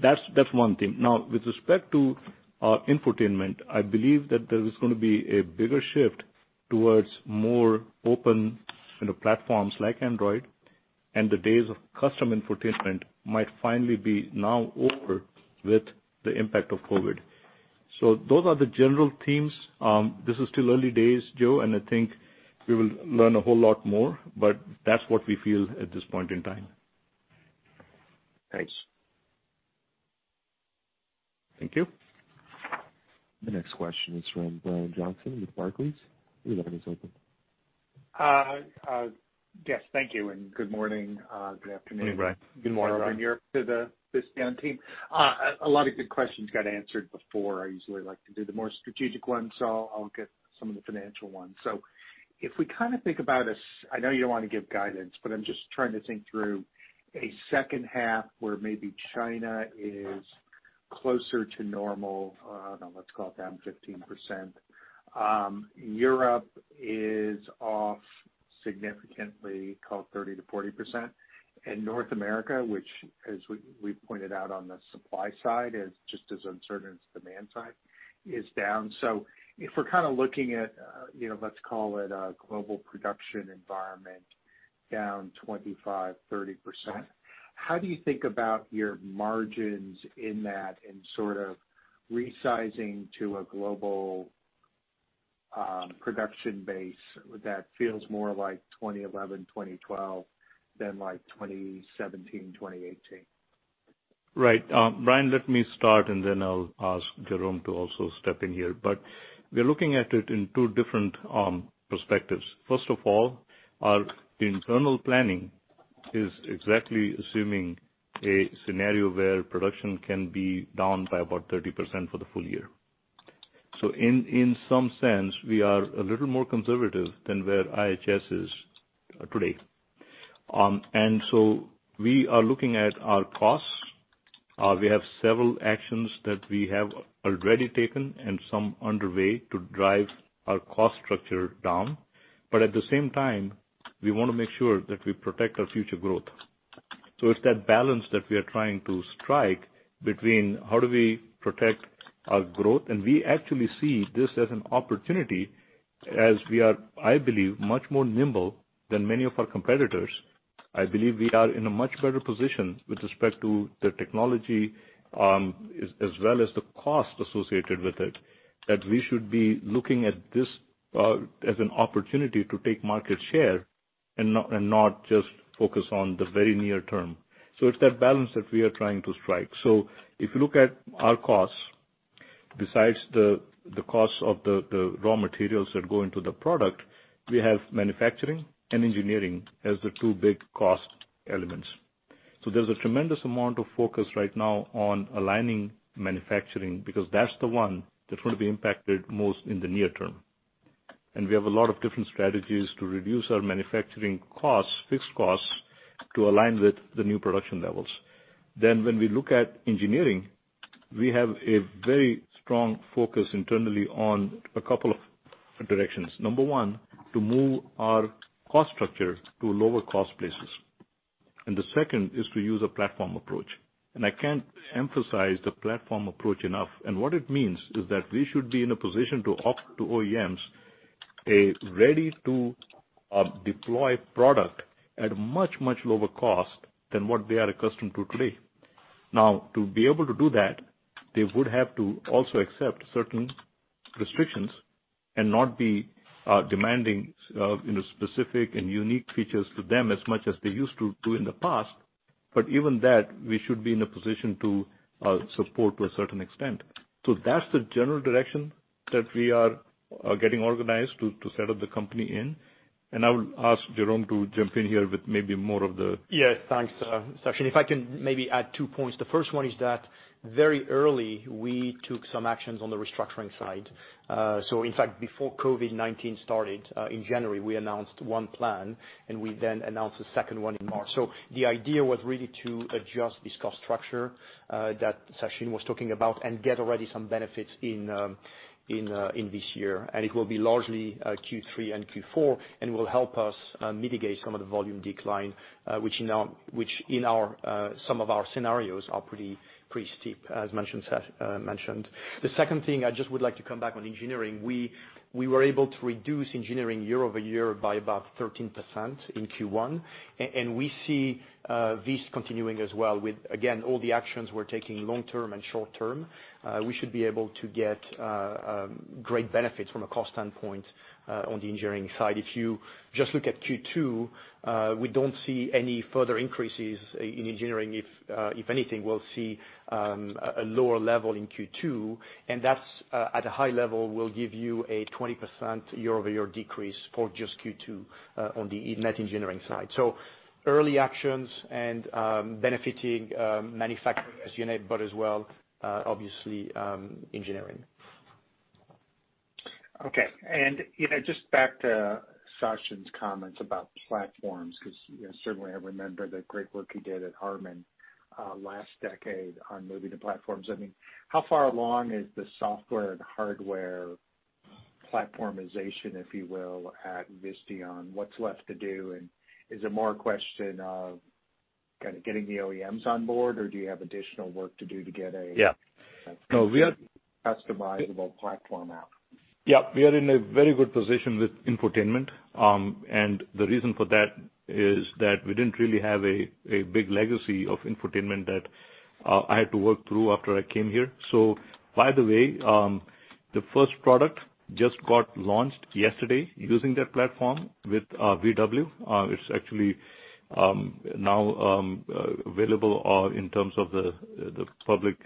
that's one thing. With respect to infotainment, I believe that there is going to be a bigger shift towards more open platforms like Android. The days of custom infotainment might finally be now over with the impact of COVID-19. Those are the general themes. This is still early days, Joe. I think we will learn a whole lot more. That's what we feel at this point in time. Thanks. Thank you. The next question is from Brian Johnson with Barclays. Your line is open. Yes, thank you, and good morning, good afternoon. Good morning, Brian. Wherever you are in Europe to the Visteon team. A lot of good questions got answered before. I usually like to do the more strategic ones, I'll get some of the financial ones. If we think about, I know you don't want to give guidance, but I'm just trying to think through a second half where maybe China is closer to normal, I don't know, let's call it down 15%. Europe is off significantly, call it 30%-40%, and North America, which as we pointed out on the supply side is just as uncertain as demand side, is down. If we're looking at, let's call it a global production environment, down 25%-30%. How do you think about your margins in that and sort of resizing to a global production base that feels more like 2011, 2012 than like 2017, 2018? Right. Brian, let me start and then I'll ask Jerome to also step in here. We are looking at it in two different perspectives. First of all, our internal planning is exactly assuming a scenario where production can be down by about 30% for the full year. In some sense, we are a little more conservative than where IHS is today. We are looking at our costs. We have several actions that we have already taken and some underway to drive our cost structure down. At the same time, we want to make sure that we protect our future growth. It's that balance that we are trying to strike between how do we protect our growth, and we actually see this as an opportunity as we are, I believe, much more nimble than many of our competitors. I believe we are in a much better position with respect to the technology, as well as the cost associated with it, that we should be looking at this as an opportunity to take market share and not just focus on the very near term. It's that balance that we are trying to strike. If you look at our costs, besides the costs of the raw materials that go into the product, we have manufacturing and engineering as the two big cost elements. There's a tremendous amount of focus right now on aligning manufacturing, because that's the one that's going to be impacted most in the near term. We have a lot of different strategies to reduce our manufacturing costs, fixed costs, to align with the new production levels. When we look at engineering, we have a very strong focus internally on a couple of directions. Number one, to move our cost structure to lower cost places. The second is to use a platform approach. I can't emphasize the platform approach enough. What it means is that we should be in a position to offer to OEMs a ready-to-deploy product at a much, much lower cost than what they are accustomed to today. To be able to do that, they would have to also accept certain restrictions and not be demanding specific and unique features to them as much as they used to do in the past. Even that, we should be in a position to support to a certain extent. That's the general direction that we are getting organized to set up the company in. I would ask Jerome to jump in here with maybe more of. Yes, thanks, Sachin. If I can maybe add two points. The first one is that very early, we took some actions on the restructuring side. In fact, before COVID-19 started, in January, we announced one plan, and we then announced a second one in March. The idea was really to adjust this cost structure that Sachin was talking about and get already some benefits in this year. It will be largely Q3 and Q4, and it will help us mitigate some of the volume decline, which in some of our scenarios are pretty steep, as Sachin mentioned. The second thing, I just would like to come back on engineering. We were able to reduce engineering year-over-year by about 13% in Q1, and we see this continuing as well with, again, all the actions we're taking long term and short term. We should be able to get great benefits from a cost standpoint on the engineering side. If you just look at Q2, we don't see any further increases in engineering. If anything, we'll see a lower level in Q2, and that, at a high level, will give you a 20% year-over-year decrease for just Q2 on the net engineering side. Early actions and benefiting manufacturing as you know, but as well, obviously, engineering. Okay. Just back to Sachin's comments about platforms, because certainly I remember the great work you did at Harman last decade on moving to platforms. I mean, how far along is the software and hardware platformization, if you will, at Visteon? What's left to do? Is it more a question of kind of getting the OEMs on board, or do you have additional work to do? Yeah. No. Customizable platform out? Yeah, we are in a very good position with infotainment. The reason for that is that we didn't really have a big legacy of infotainment that I had to work through after I came here. By the way, the first product just got launched yesterday using that platform with VW. It's actually now available in terms of the public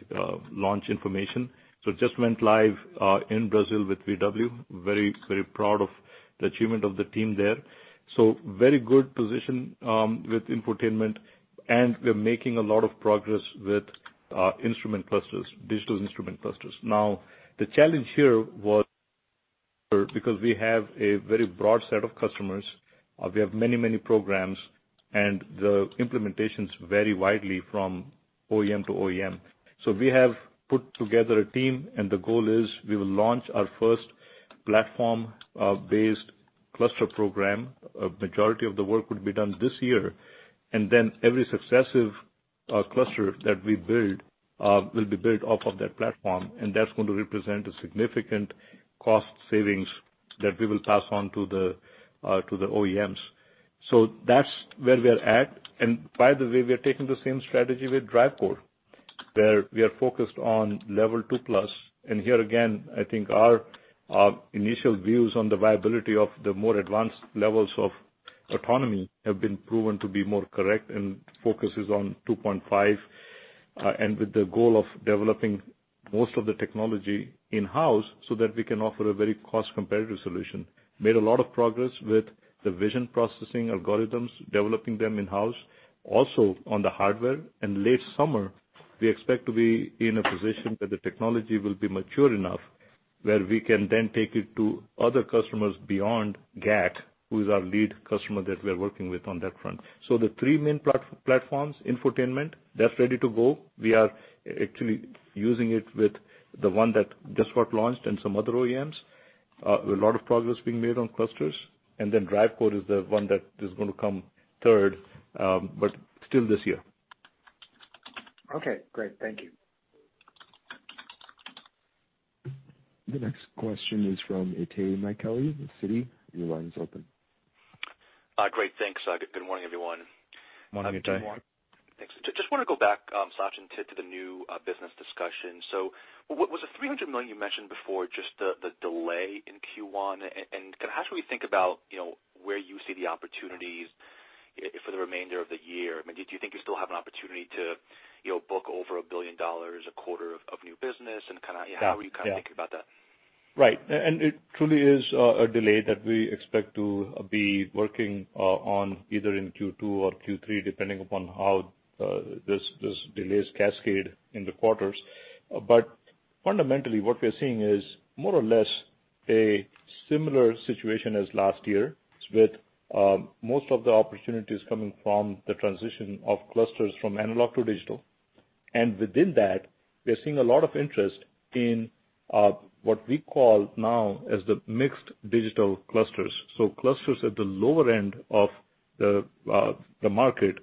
launch information. It just went live in Brazil with VW. Very proud of the achievement of the team there. Very good position with infotainment, and we're making a lot of progress with instrument clusters, digital instrument clusters. The challenge here was because we have a very broad set of customers, we have many, many programs, and the implementations vary widely from OEM to OEM. We have put together a team, and the goal is we will launch our first platform-based cluster program. A majority of the work would be done this year. Every successive cluster that we build will be built off of that platform, and that's going to represent a significant cost savings that we will pass on to the OEMs. That's where we are at. By the way, we are taking the same strategy with DriveCore, where we are focused on level 2 plus. Here again, I think our initial views on the viability of the more advanced levels of autonomy have been proven to be more correct and focuses on 2.5, and with the goal of developing most of the technology in-house so that we can offer a very cost-competitive solution. We made a lot of progress with the vision processing algorithms, developing them in-house, also on the hardware. In late summer, we expect to be in a position where the technology will be mature enough where we can then take it to other customers beyond GAC, who's our lead customer that we're working with on that front. The three main platforms, infotainment, that's ready to go. We are actually using it with the one that just got launched and some other OEMs. A lot of progress being made on clusters. Then DriveCore is the one that is going to come third, but still this year. Okay, great. Thank you. The next question is from Itay Michaeli with Citi. Your line is open. Great. Thanks. Good morning, everyone. Good morning, Itay. Good morning. Thanks. Just want to go back, Sachin, to the new business discussion. Was the $300 million you mentioned before just the delay in Q1? How should we think about where you see the opportunities for the remainder of the year? I mean, do you think you still have an opportunity to book over $1 billion a quarter of new business? How are you kind of thinking about that? Right. It truly is a delay that we expect to be working on either in Q2 or Q3, depending upon how these delays cascade in the quarters. Fundamentally, what we're seeing is more or less a similar situation as last year, with most of the opportunities coming from the transition of clusters from analog to digital. Within that, we are seeing a lot of interest in what we call now as the mixed digital clusters. Clusters at the lower end of the market,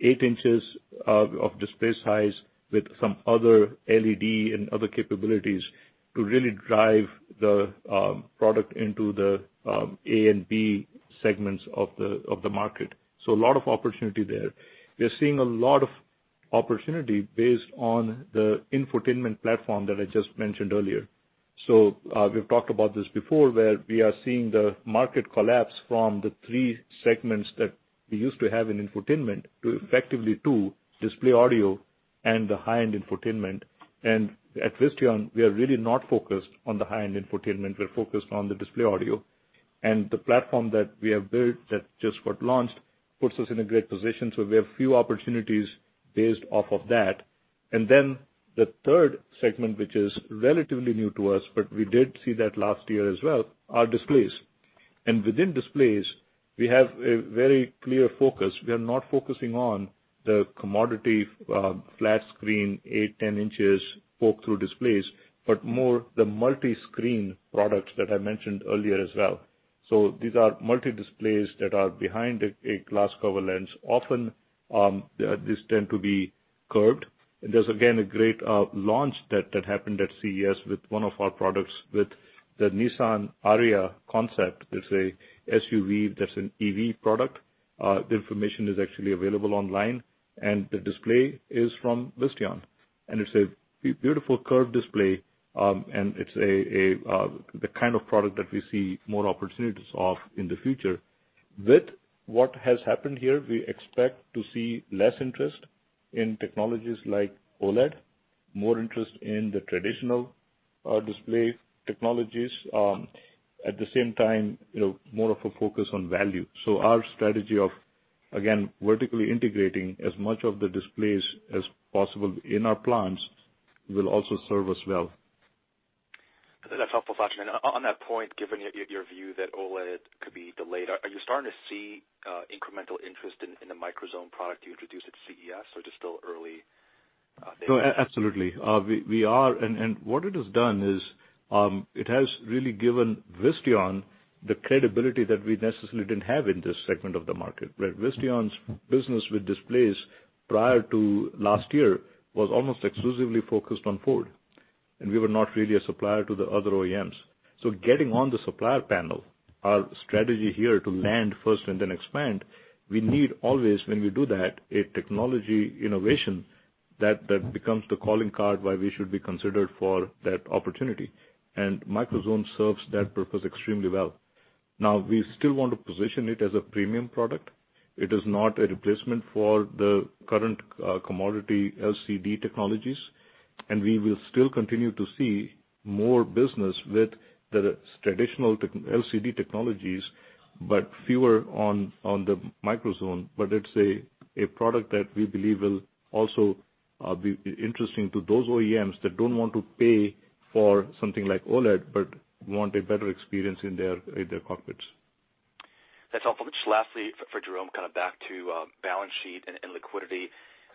eight inches of display size with some other LED and other capabilities to really drive the product into the A and B segments of the market. A lot of opportunity there. We are seeing a lot of opportunity based on the infotainment platform that I just mentioned earlier. We've talked about this before, where we are seeing the market collapse from the three segments that we used to have in infotainment to effectively two, Display Audio and the high-end infotainment. At Visteon, we are really not focused on the high-end infotainment. We're focused on the Display Audio. The platform that we have built that just got launched puts us in a great position. We have few opportunities based off of that. The third segment, which is relatively new to us, but we did see that last year as well, are displays. Within displays, we have a very clear focus. We are not focusing on the commodity flat screen, eight, 10 inches poke through displays, but more the multi-screen products that I mentioned earlier as well. These are multi displays that are behind a glass cover lens. Often, these tend to be curved. There's again, a great launch that happened at CES with one of our products with the Nissan Ariya concept. It's a SUV that's an EV product. The information is actually available online, and the display is from Visteon, and it's a beautiful curved display, and it's the kind of product that we see more opportunities of in the future. With what has happened here, we expect to see less interest in technologies like OLED, more interest in the traditional display technologies. At the same time, more of a focus on value. Our strategy of, again, vertically integrating as much of the displays as possible in our plants will also serve us well. I think that's helpful, Sachin. On that point, given your view that OLED could be delayed, are you starting to see incremental interest in the microZone product you introduced at CES, or just still early days? No, absolutely. We are, and what it has done is it has really given Visteon the credibility that we necessarily didn't have in this segment of the market, where Visteon's business with displays prior to last year was almost exclusively focused on Ford. We were not really a supplier to the other OEMs. Getting on the supplier panel, our strategy here to land first and then expand, we need always, when we do that, a technology innovation that becomes the calling card why we should be considered for that opportunity. MicroZone serves that purpose extremely well. Now, we still want to position it as a premium product. It is not a replacement for the current commodity LCD technologies, and we will still continue to see more business with the traditional LCD technologies, but fewer on the microZone. But let's say, t's a product that we believe will also be interesting to those OEMs that don't want to pay for something like OLED, but want a better experience in their cockpits. That's helpful. Just lastly, for Jerome, kind of back to balance sheet and liquidity.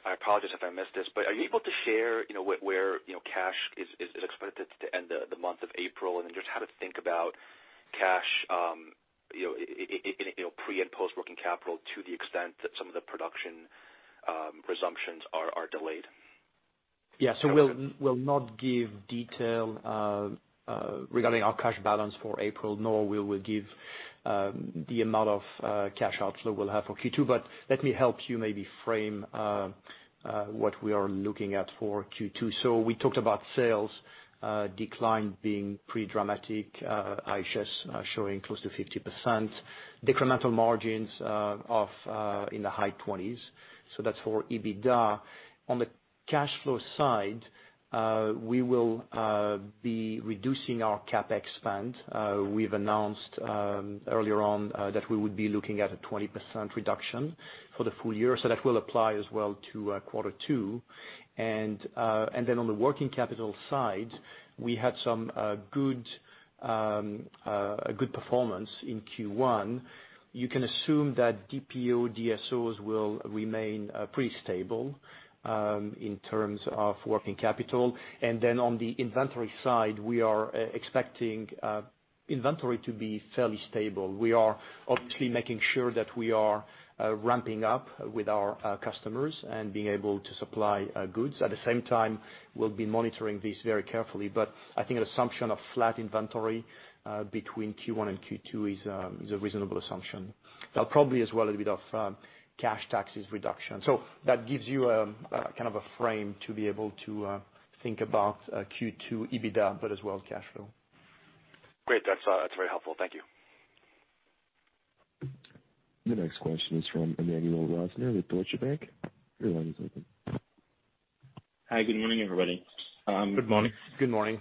I apologize if I missed this, but are you able to share where cash is expected to end the month of April? just how to think about cash- -pre and post working capital to the extent that some of the production resumptions are delayed. Yes. We'll not give detail regarding our cash balance for April, nor we will give the amount of cash outflow we'll have for Q2, but let me help you maybe frame what we are looking at for Q2. We talked about sales decline being pretty dramatic. I'm just showing close to 50%. Decremental margins in the high 20s. That's for EBITDA. On the cash flow side, we will be reducing our CapEx spend. We've announced earlier on that we would be looking at a 20% reduction for the full year. That will apply as well to quarter two. On the working capital side, we had some good performance in Q1. You can assume that DPO, DSOs will remain pretty stable in terms of working capital. On the inventory side, we are expecting inventory to be fairly stable. We are obviously making sure that we are ramping up with our customers and being able to supply goods. At the same time, we'll be monitoring this very carefully. I think an assumption of flat inventory between Q1 and Q2 is a reasonable assumption. There'll probably as well a bit of cash taxes reduction. That gives you a kind of a frame to be able to think about Q2 EBITDA but as well as cash flow. Great. That's very helpful. Thank you. The next question is from Emmanuel Rosner with Deutsche Bank. Your line is open. Hi, good morning, everybody. Good morning. Good morning.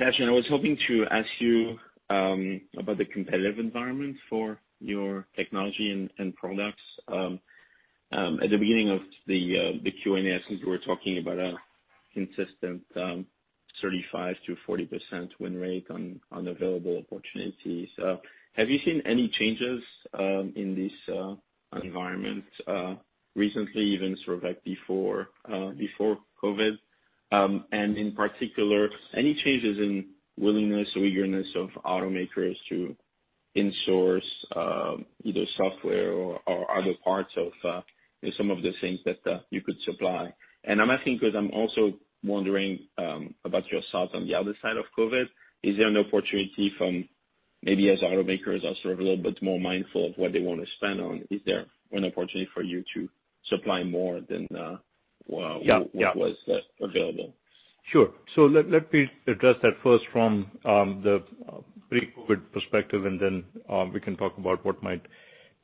Sachin, I was hoping to ask you about the competitive environment for your technology and products. At the beginning of the Q&A session, you were talking about a consistent 35%-40% win rate on available opportunities. Have you seen any changes in this environment recently, even sort of like before COVID? in particular, any changes in willingness or eagerness of automakers to insource either software or other parts of some of the things that you could supply? I'm asking because I'm also wondering about the other side of COVID. Is there an opportunity from maybe as automakers are sort of a little bit more mindful of what they want to spend on, is there an opportunity for you to supply more than- Yeah. what was available? Sure. Let me address that first from the pre-COVID perspective, and then we can talk about what might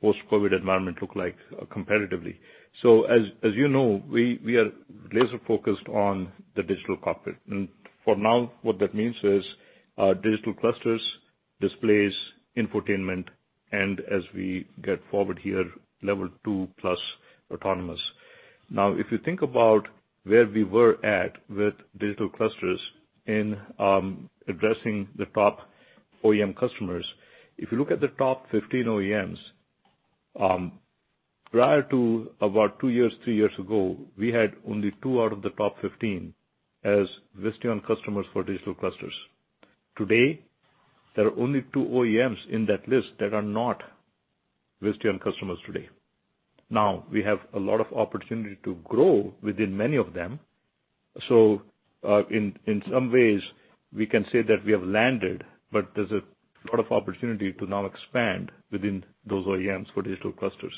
post-COVID environment look like competitively. As you know, we are laser-focused on the digital cockpit. For now, what that means is our digital clusters displays infotainment, and as we get forward here, level two plus autonomous. Now, if you think about where we were at with digital clusters in addressing the top OEM customers, if you look at the top 15 OEMs, prior to about two years, three years ago, we had only two out of the top 15 as Visteon customers for digital clusters. Today, there are only two OEMs in that list that are not Visteon customers today. Now, we have a lot of opportunity to grow within many of them. In some ways, we can say that we have landed, but there's a lot of opportunity to now expand within those OEMs for digital clusters.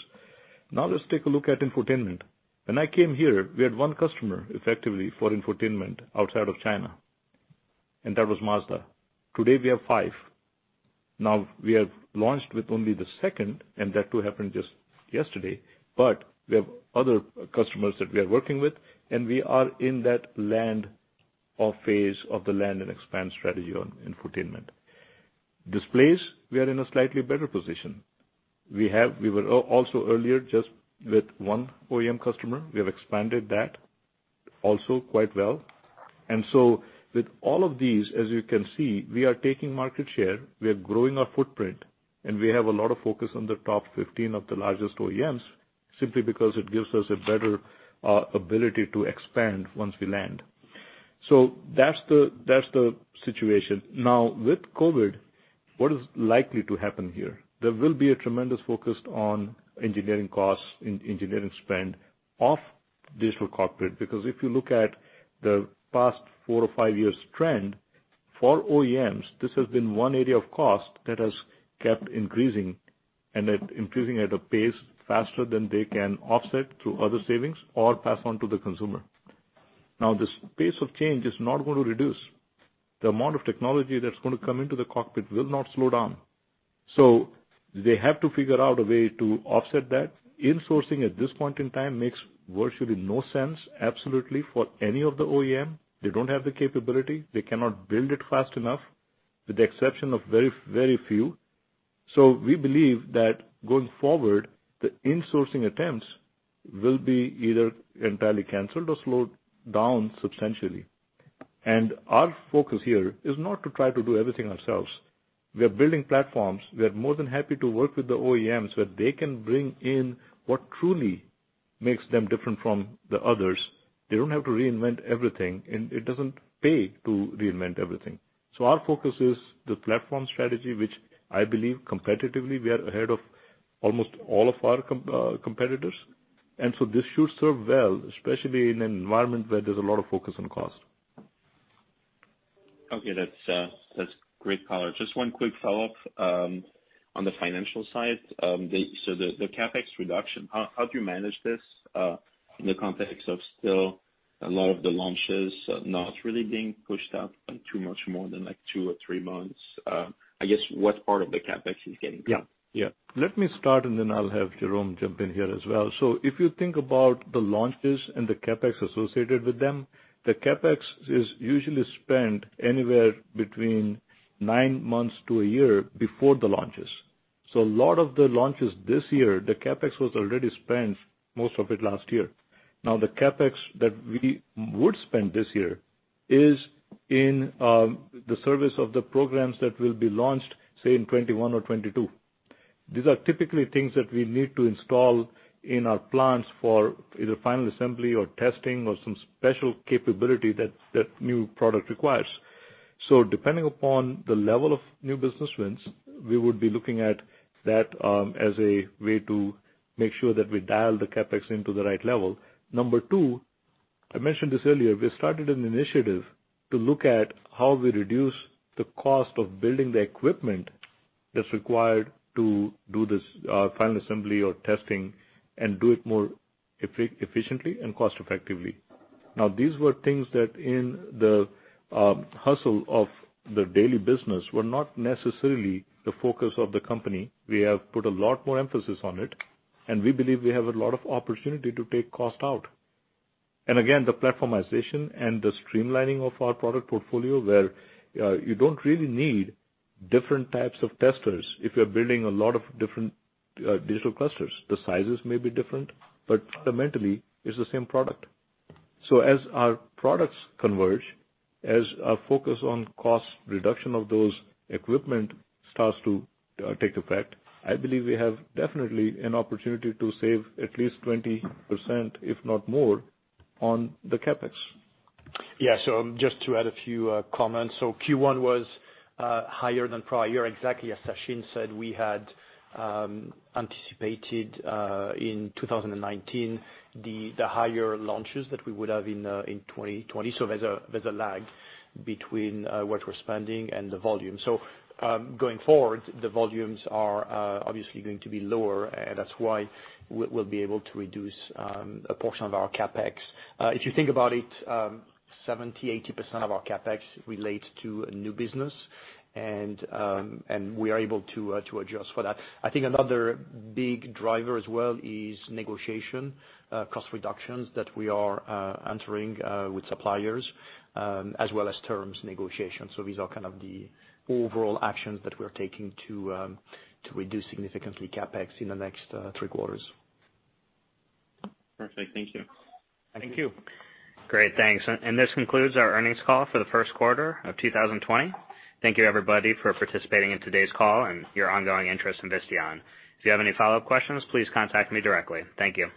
Now let's take a look at infotainment. When I came here, we had one customer effectively for infotainment outside of China, and that was Mazda. Today, we have five. Now, we have launched with only the second, and that too happened just yesterday, but we have other customers that we are working with, and we are in that land or phase of the land and expand strategy on infotainment. Displays, we are in a slightly better position. We were also earlier just with one OEM customer. We have expanded that also quite well. With all of these, as you can see, we are taking market share, we are growing our footprint, and we have a lot of focus on the top 15 of the largest OEMs simply because it gives us a better ability to expand once we land. that's the situation. Now, with COVID, what is likely to happen here? There will be a tremendous focus on engineering costs in engineering spend of digital cockpit. Because if you look at the past four or five years trend, for OEMs, this has been one area of cost that has kept increasing and increasing at a pace faster than they can offset through other savings or pass on to the consumer. Now, this pace of change is not going to reduce. The amount of technology that's going to come into the cockpit will not slow down. They have to figure out a way to offset that. Insourcing at this point in time makes virtually no sense, absolutely for any of the OEM. They don't have the capability. They cannot build it fast enough, with the exception of very few. We believe that going forward, the insourcing attempts will be either entirely canceled or slowed down substantially. Our focus here is not to try to do everything ourselves. We are building platforms. We are more than happy to work with the OEMs where they can bring in what truly makes them different from the others. They don't have to reinvent everything, and it doesn't pay to reinvent everything. Our focus is the platform strategy, which I believe competitively, we are ahead of almost all of our competitors. This should serve well, especially in an environment where there's a lot of focus on cost. Okay, that's great color. Just one quick follow-up on the financial side. The CapEx reduction, how do you manage this, in the context of still a lot of the launches not really being pushed out by too much more than two or three months? I guess what part of the CapEx is getting. Yeah. Let me start, and then I'll have Jerome jump in here as well. If you think about the launches and the CapEx associated with them, the CapEx is usually spent anywhere between nine months to a year before the launches. A lot of the launches this year, the CapEx was already spent most of it last year. Now, the CapEx that we would spend this year is in the service of the programs that will be launched, say, in 2021 or 2022. These are typically things that we need to install in our plants for either final assembly or testing or some special capability that new product requires. Depending upon the level of new business wins, we would be looking at that as a way to make sure that we dial the CapEx into the right level. Number two, I mentioned this earlier, we started an initiative to look at how we reduce the cost of building the equipment that's required to do this final assembly or testing and do it more efficiently and cost effectively. Now, these were things that in the hustle of the daily business, were not necessarily the focus of the company. We have put a lot more emphasis on it, and we believe we have a lot of opportunity to take cost out. Again, the platformization and the streamlining of our product portfolio, where you don't really need different types of testers if you're building a lot of different digital clusters. The sizes may be different, but fundamentally, it's the same product. As our products converge, as our focus on cost reduction of those equipment starts to take effect, I believe we have definitely an opportunity to save at least 20%, if not more, on the CapEx. Yeah. Just to add a few comments. Q1 was higher than prior, exactly as Sachin said. We had anticipated, in 2019, the higher launches that we would have in 2020. There's a lag between what we're spending and the volume. Going forward, the volumes are obviously going to be lower. That's why we'll be able to reduce a portion of our CapEx. If you think about it, 70, 80% of our CapEx relates to new business, and we are able to adjust for that. I think another big driver as well is negotiation, cost reductions that we are entering with suppliers, as well as terms negotiation. These are kind of the overall actions that we're taking to reduce significantly CapEx in the next three quarters. Perfect. Thank you. Thank you. Great. Thanks. This concludes our earnings call for the first quarter of 2020. Thank you, everybody, for participating in today's call and your ongoing interest in Visteon. If you have any follow-up questions, please contact me directly. Thank you.